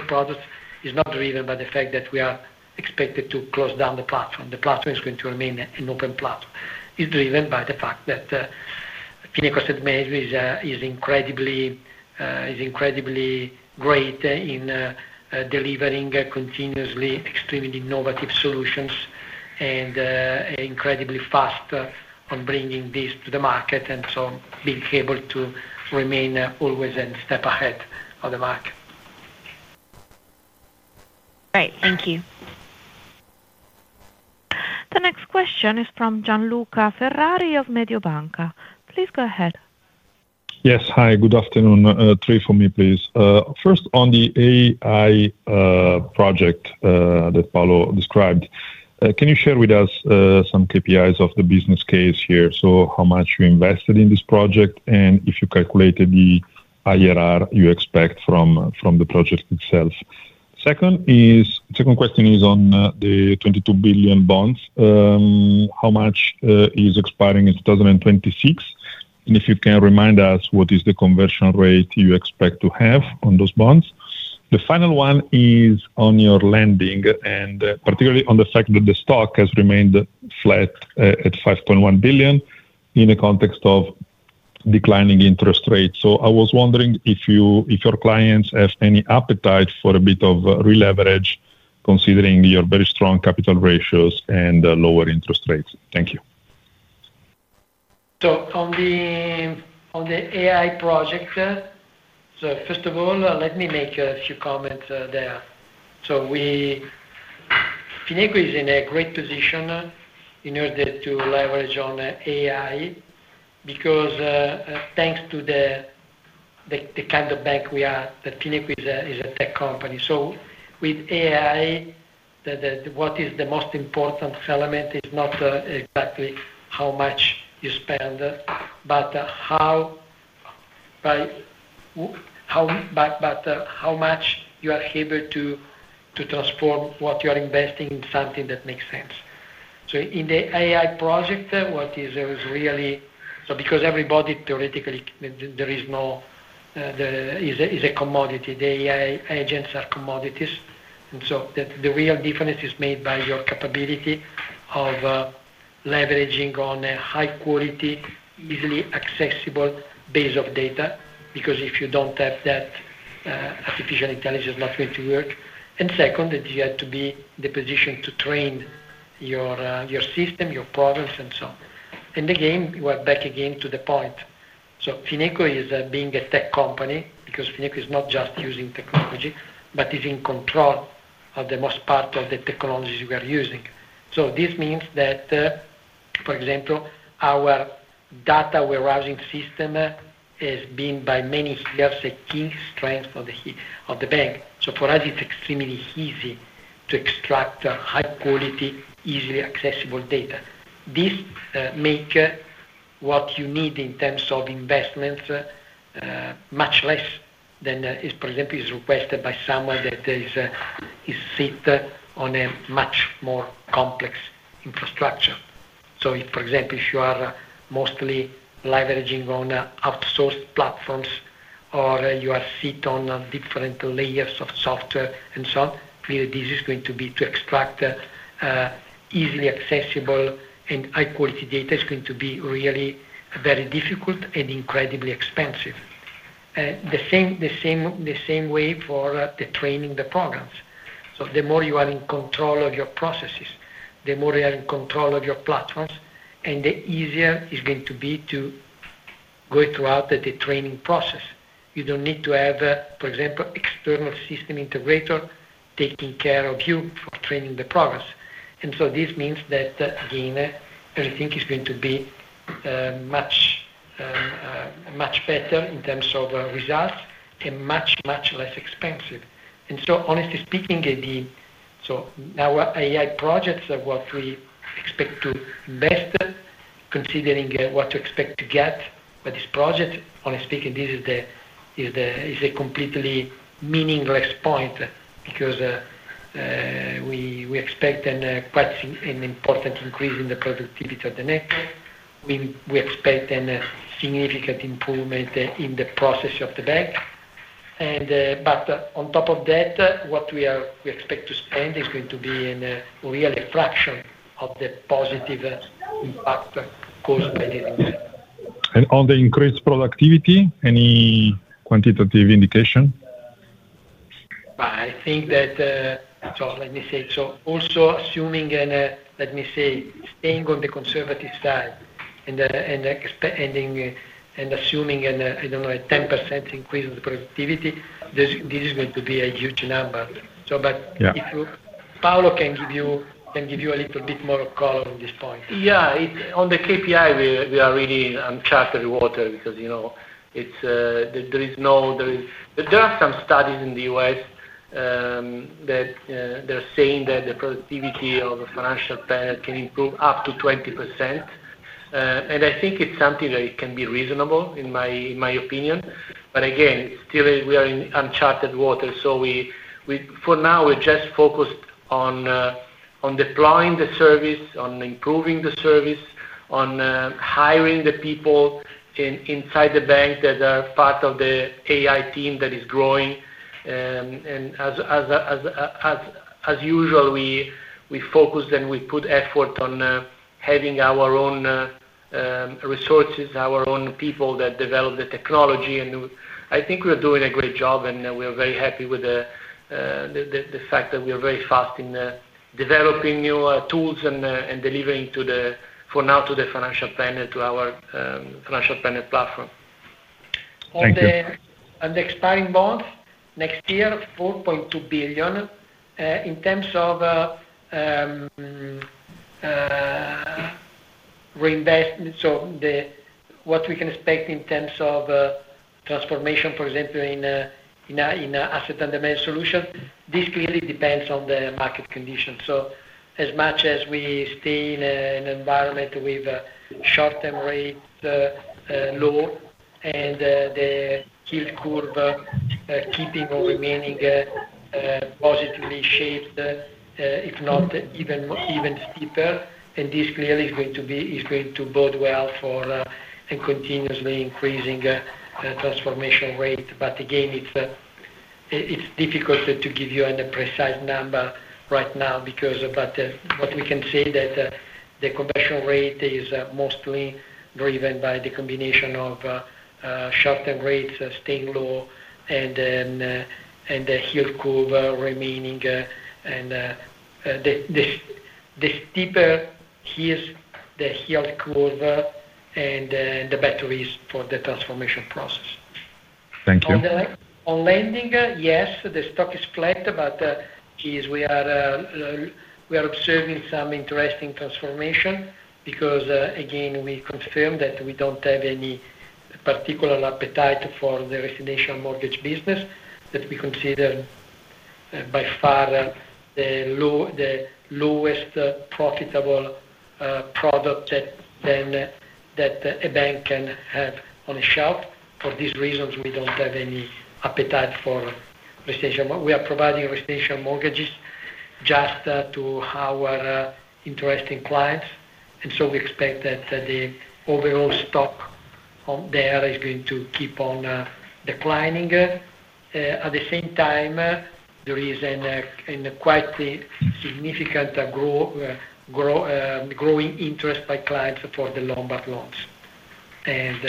S2: products is not driven by the fact that we are expected to close down the platform. The platform is going to remain an open platform. It's driven by the fact that Fineco Asset Management is incredibly great in delivering continuously extremely innovative solutions and incredibly fast on bringing this to the market and so being able to remain always a step ahead of the market.
S8: Great, thank you.
S1: The next question is from Gianluca Ferrari of Mediobanca. Please go ahead.
S9: Yes, hi, good afternoon. Three for me please. First, on the AI project that Paolo described, can you share with us some KPIs of the business case here? So how much you invested in this project and if you calculated the IRR you expect from the project itself? Second question is on the 22 billion bonds, how much is expiring in 2026? And if you can remind us what is the conversion rate you expect to have on those bonds? The final one is on your lending and particularly on the fact that the stock has remained flat at 5.1 billion in the context of declining interest rates. I was wondering if your clients have any appetite for a bit of re-leverage considering your very strong capital ratios and lower interest rates. Thank you.
S2: On the AI project, first of all, let me make a few comments there. We, Fineco, are in a great position in order to leverage on AI because, thanks to the kind of bank we are, Fineco is a tech company. With AI, what is the most important element is not exactly how much you spend, but how much you are able to transform what you are investing in, something that makes sense. In the AI project, what is really—because everybody, theoretically, there is no—it is a commodity. The AI agents are commodities, and the real difference is made by your capability of leveraging on a high quality, easily accessible base of data. Because if you do not have that, artificial intelligence is not going to work. You have to be in the position to train your system, your problems and so on. We are back again to the point. Fineco is being a tech company because Fineco is not just using technology, but is in control of the most part of the technologies we are using. This means that, for example, our data warehousing system has been for many years a key strength of the bank. For us, it is extremely easy to extract high quality, easily accessible data. This makes what you need in terms of investments much less than is presently requested by someone that is sitting on a much more complex infrastructure. For example, if you are mostly leveraging on outsourced platforms or you are sit on different layers of software and so on, to extract easily accessible and high quality data is going to be really very difficult and incredibly expensive. The same way for the training the programs. The more you are in control of your processes, the more you are in control of your platforms and the easier it's going to be to go throughout the training process. You do not need to have, for example, external system integrator taking care of you for training the progress. This means that again, everything is going to be much better in terms of results and much, much less expensive. Honestly speaking, our AI projects are what we expect to invest, considering what to expect to get by this project. Honestly speaking, this is a completely meaningless point because we expect quite significant, an important increase in the productivity of the network. We expect a significant improvement in the process of the bank. On top of that, what we expect to spend is going to be really a fraction of the positive impact.
S9: Caused by the and on the increased productivity. Any quantitative indication?
S2: I think that. Let me say. Also assuming, let me say, staying on the conservative side and assuming, I don't know, a 10% increase in productivity, this is going to be a huge number. Paolo can give you a little bit more color on this point.
S3: Yeah, on the KPI we are really uncharted water because you know, there is no. There is. There are some studies in the U.S. that they're saying that the productivity of a financial planner can improve up to 20%. I think it's something that can be reasonable in my opinion. Again, still we are in uncharted water. For now we're just focused on deploying the service, on improving the service, on hiring the people inside the bank that are part of the AI team that is growing. As usual we focus and we put effort on having our own resources, our own people that develop the technology. I think we're doing a great job. We are very happy with the fact that we are very fast in developing new tools and delivering to the. For now, to the financial planner, to. Our financial planner platform.
S2: On the expiring bond next year, 4.2 billion in terms of reinvestment. What we can expect in terms of transformation, for example, in asset and demand solution, this clearly depends on the market conditions. As much as we stay in an environment with short-term rate low and the yield curve keeping or remaining positively shaped, if not even steeper. This clearly is going to bode well for continuously increasing transformation rate. Again, it's difficult to give you a precise number right now because what we can say is that the combustion rate is mostly driven by the combination of short-term rates staying low and the yield curve remaining, and the steeper here the yield curve and the batteries for the transformation process.
S9: Thank you.
S2: On lending, yes, the stock is flat, but we are observing some interesting transformation because again we confirmed that we do not have any particular appetite for the residential mortgage business that we consider by far the lowest profitable product that a bank can have on a shelf. For these reasons we do not have any appetite for residential. We are providing residential mortgages just to our interesting clients. We expect that the overall stock there is going to keep on declining. At the same time there is a quite significant growing interest by clients for the Lombard loans and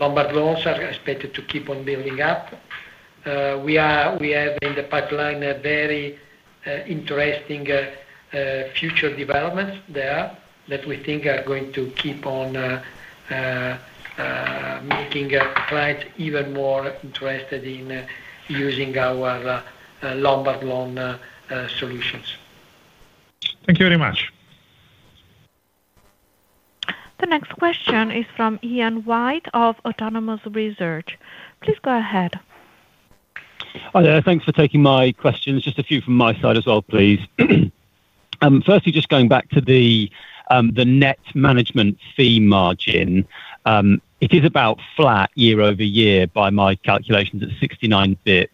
S2: Lombard loans are expected to keep on building up. We have in the pipeline very interesting future developments there that we think are going to keep on making clients even more interested in using our Lombard loan solutions.
S9: Thank you very much.
S1: The next question is from Ian White of Autonomous Research. Please go ahead.
S10: Hi there. Thanks for taking my questions. Just a few from my side as well, please. Firstly, just going back to the net management fee margin, it is about flat year-over-year by my calculations at 69 basis points.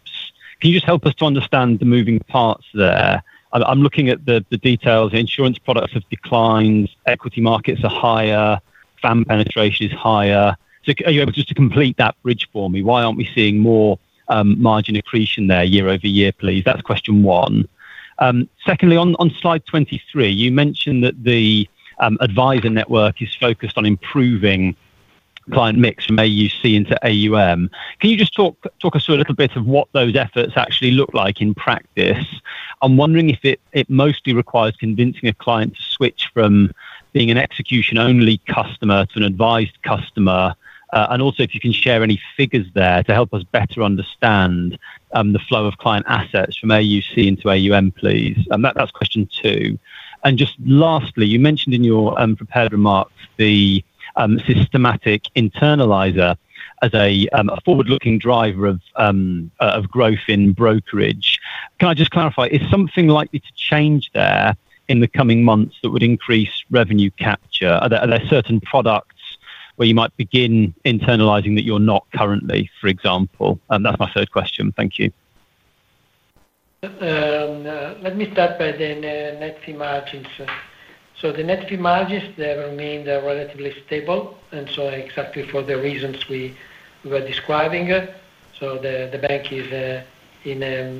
S10: Can you just help us to understand the moving parts there? I'm looking at the details. Insurance products have declined, equity markets are higher, van penetration is higher. Are you able just to complete that bridge for me? Why aren't we seeing more margin accretion there year-over-year, please. That's question one. Secondly, on slide 23, you mentioned that the adviser network is focused on improving client mix from AUC into AUM. Can you just talk us through a. Little bit of what those efforts actually look like in practice? I'm wondering if it mostly requires convincing a client to switch from being an execution only customer to an advised customer. If you can share any figures there to help us better understand the flow of client assets from AUC into AUM, please. That's question two. Lastly, you mentioned in your prepared remarks the systematic internalizer as a forward looking driver of growth in brokerage. Can I just clarify, is something likely to change there in the coming months that would increase revenue capture? Are there certain products where you might begin internalizing that you're not currently, for example? That's my third question. Thank you.
S2: Let me start by the net fee margins. The net fee margins remain relatively stable, exactly for the reasons we were describing. The bank is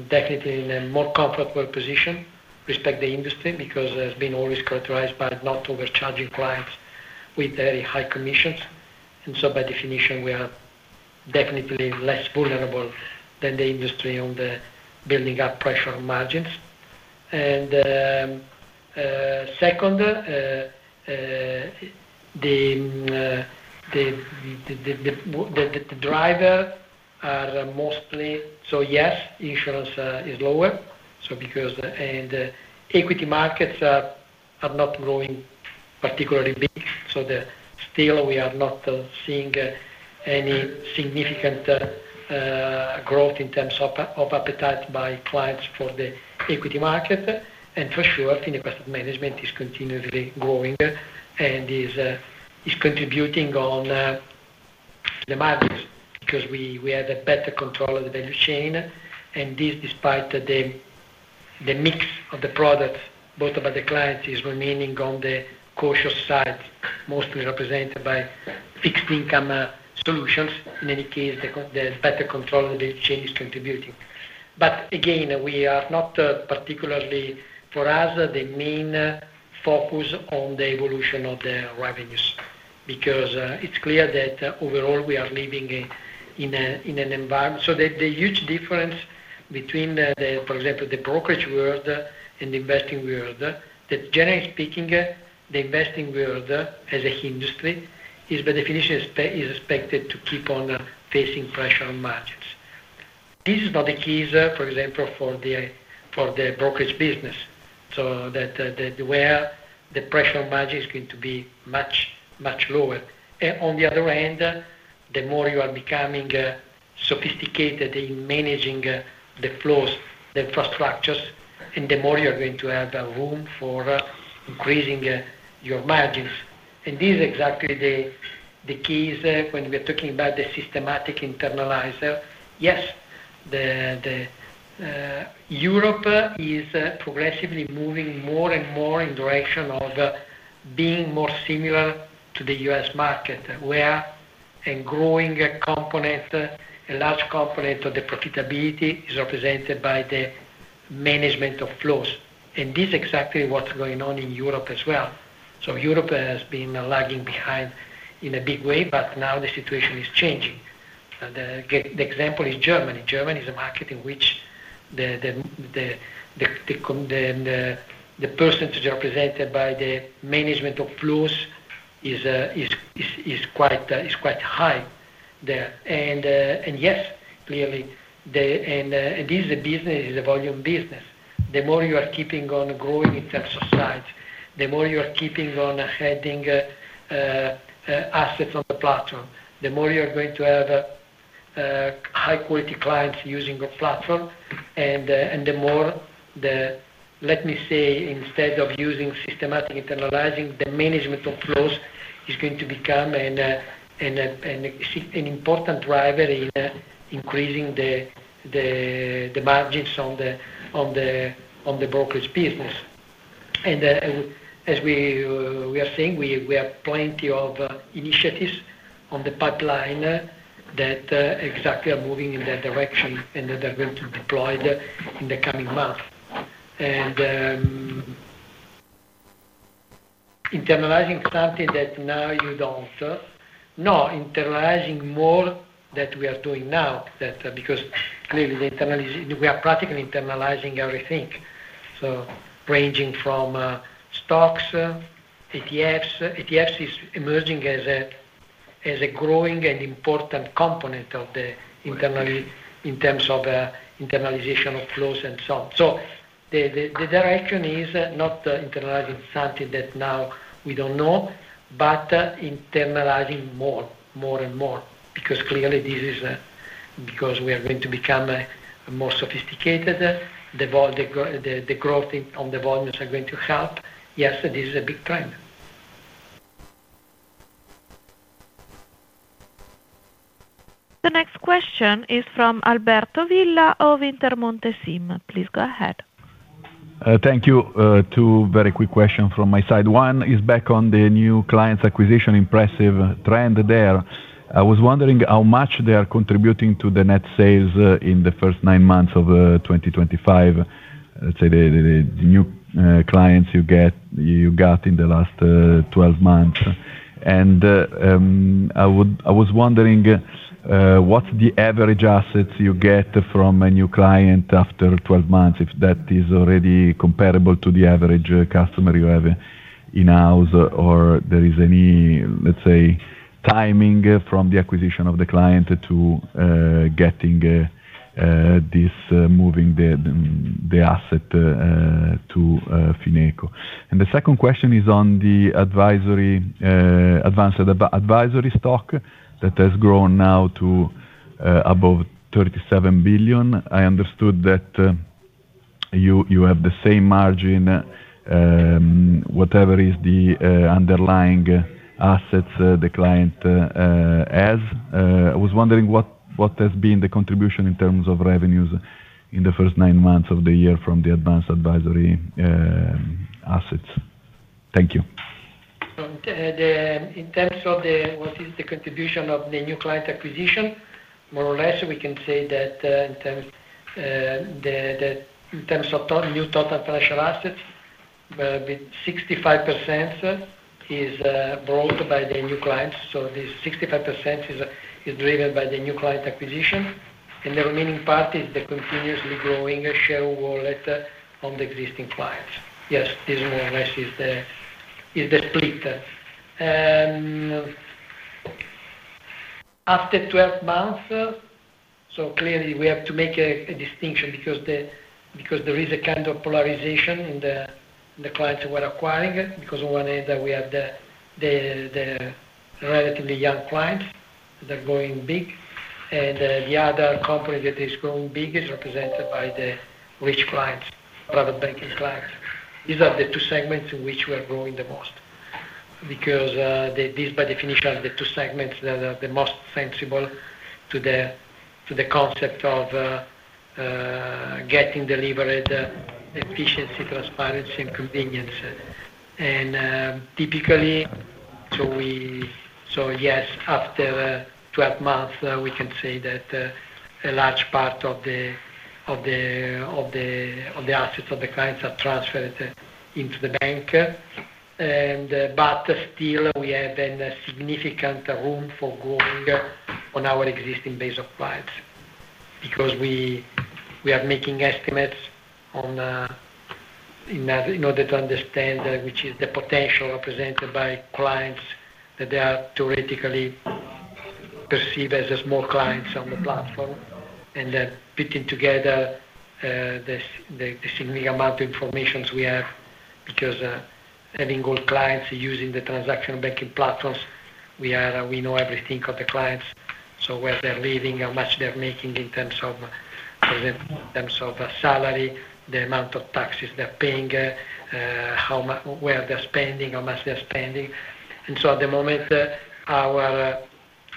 S2: definitely in a more comfortable position compared to the industry because it has always been characterized by not overcharging clients with very high commissions. By definition, we are definitely less vulnerable than the industry to the building up pressure on margins. The drivers are mostly, yes, insurance is lower and equity markets are not growing particularly big. Still, we are not seeing any significant growth in terms of appetite by clients for the equity market. For sure, Fineco Asset Management is continuing growing and is contributing on the markets because we have a better control of the value chain. This is despite the mix of the products, both of the clients is remaining on the cautious side, mostly represented by fixed income solutions. In any case, the better control of the value chain is contributing. Again, we are not particularly, particularly for us the main focus on the evolution of the revenues because it is clear that overall we are living in an environment. The huge difference between, for example, the brokerage world and the investing world, that generally speaking the investing world as an industry is by definition is expected to keep on facing pressure on margin. This is not the case, for example, for the brokerage business, where the pressure margin is going to be much, much lower. On the other hand, the more you are becoming sophisticated in managing the flows, the infrastructures, and the more you're going to have room for increasing your margins. These exactly, the key is when we're talking about the systematic internalizer, yes, Europe is progressively moving more and more in direction of being more similar to the US market where a growing component, a large component of the profitability is represented by the management of flows. This is exactly what's going on in Europe as well. Europe has been lagging behind in a big way, but now the situation is changing. The example is Germany. Germany is a market in which the percentage represented by the management of flows is quite high there. Yes, clearly this is a business, is a volume business. The more you are keeping on growing in terms of size, the more you are keeping on adding assets on the platform, the more you are going to have high quality clients using the platform. The more, let me say instead of using systematic internalizing, the management of flows is going to become an important driver in increasing the margins on the brokerage business. As we are saying, we have plenty of initiatives on the pipeline that exactly are moving in that direction and that are going to deploy in the coming months. Internalizing is something that now you do not. No, internalizing more than we are doing now. Because clearly the internalization, we are practically internalizing everything. Ranging from stocks, ETFs. ETFs is emerging as a growing and important component internally in terms of internalization of flows and so on. The direction is not internalizing something that now we do not know, but internalizing more, more and more. Because clearly this is because we are going to become more sophisticated. The growth of the volumes are going to help. Yes, this is a big trend.
S1: The next question is from Alberto Villa of Intermonte SIM. Please go ahead.
S11: Thank you. Two very quick questions from my side. One is back on the new clients acquisition. Impressive trend there. I was wondering how much they are contributing to the net sales in the first nine months of 2025. Let's say the new clients you got in the last 12 months. I was wondering what's the average assets you get from a new client after 12 months? If that is already comparable to the average customer you have in house or there is any, let's say, timing from the acquisition of the client to getting this, moving the asset to Fineco. The second question is on the advisory advanced advisory stock that has grown now to above 37 billion. I understood that you have the same margin, whatever is the underlying assets the client has. I was wondering what has been the contribution in terms of revenues in the first nine months of the year from the advanced advisory assets? Thank you.
S2: In terms of what is the contribution of the new client acquisition? More or less, we can say that in terms of new total financial assets, 65% is brought by the new clients. This 65% is driven by the new client acquisition. The remaining part is the continuously growing shareholders wallet on the existing clients. Yes, this more or less is the split after 12 months. Clearly we have to make a distinction because there is a kind of polarization. The clients we are acquiring, because on one hand we have the relatively young clients that are going big and the other company that is growing big is represented by the rich clients, private banking clients. These are the two segments in which we are growing the most. These by definition are the two segments that are the most sensible to the concept of getting delivered. Efficiency, transparency and convenience. Typically, yes, after 12 months we can say that a large part of the assets of the clients are transferred into the bank. Still, we have significant room for growth on our existing base of clients because we are making estimates in order to understand which is the potential represented by clients that are theoretically perceived as small clients on the platform. Putting together the significant amount of information we have, because having all clients using the transactional banking platforms, we know everything of the clients—where they're living, how much they're making internally of salary, the amount of taxes they're paying, where they're spending, how much they're spending. At the moment, our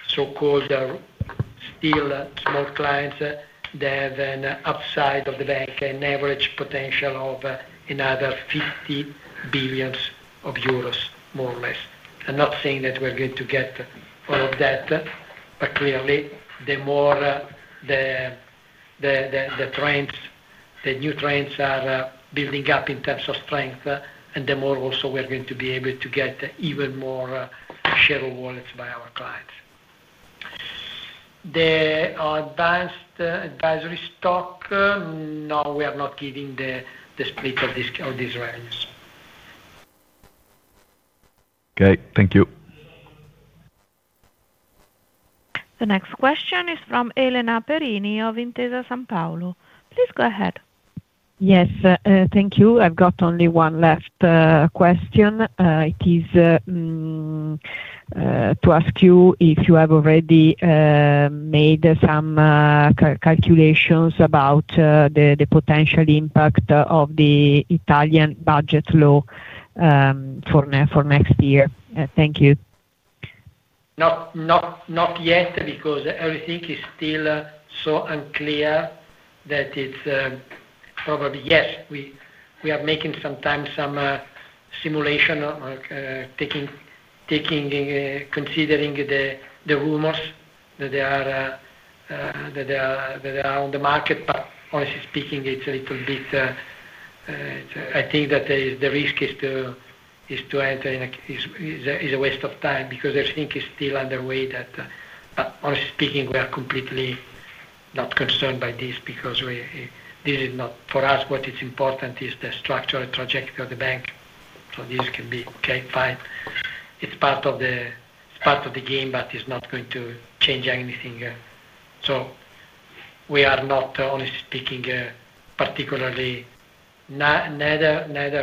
S2: so-called still small clients have an upside for the bank, an average potential of another 50 billion euros, more or less. I'm not saying that we're going to get. Clearly, the more the trends, the new trends are building up in terms of strength and the more also we are going to be able to get even more shareholder wallets by our clients. The advanced advisory stock. No, we are not giving the split or discount these values.
S11: Okay, thank you.
S1: The next question is from Elena Perini of Intesa Sanpaolo. Please, go ahead.
S12: Yes, thank you. I've got only one left question. It is to ask you if you have already made some calculations about the potential impact of the Italian budget law for next year. Thank you.
S2: Not yet, because everything is still so unclear that it's probably. Yes, we are making sometimes some simulation considering the rumors that are on the market. Honestly speaking, it's a little bit. I think that the risk is to enter is a waste of time because everything is still underway. Honestly speaking, we are completely not concerned by this because this is not for us. What is important is the structure and trajectory of the bank. This can be okay, fine, it's part of the game, but it's not going to change anything. We are not particularly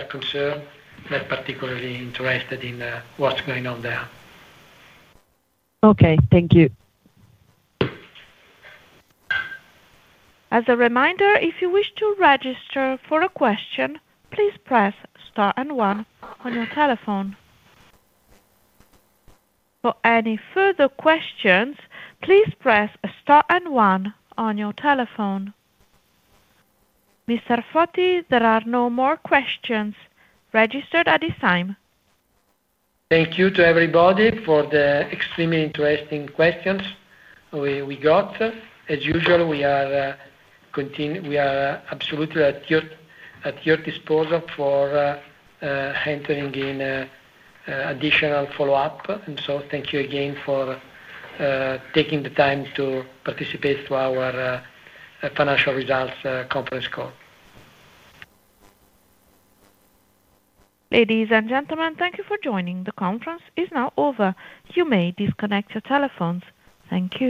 S2: concerned, not particularly interested in what's going on there.
S12: Okay, thank you.
S1: As a reminder, if you wish to register for a question, please press star and one on your telephone. For any further questions, please press star and one on your telephone. Mr. Foti, there are no more questions registered at this time.
S2: Thank you to everybody for the extremely interesting questions we got. As usual, we are absolutely at your disposal for entering in additional follow-up. Thank you again for taking the time to participate to our financial results conference call.
S1: Ladies and gentlemen, thank you for joining. The conference is now over. You may disconnect your telephones. Thank you.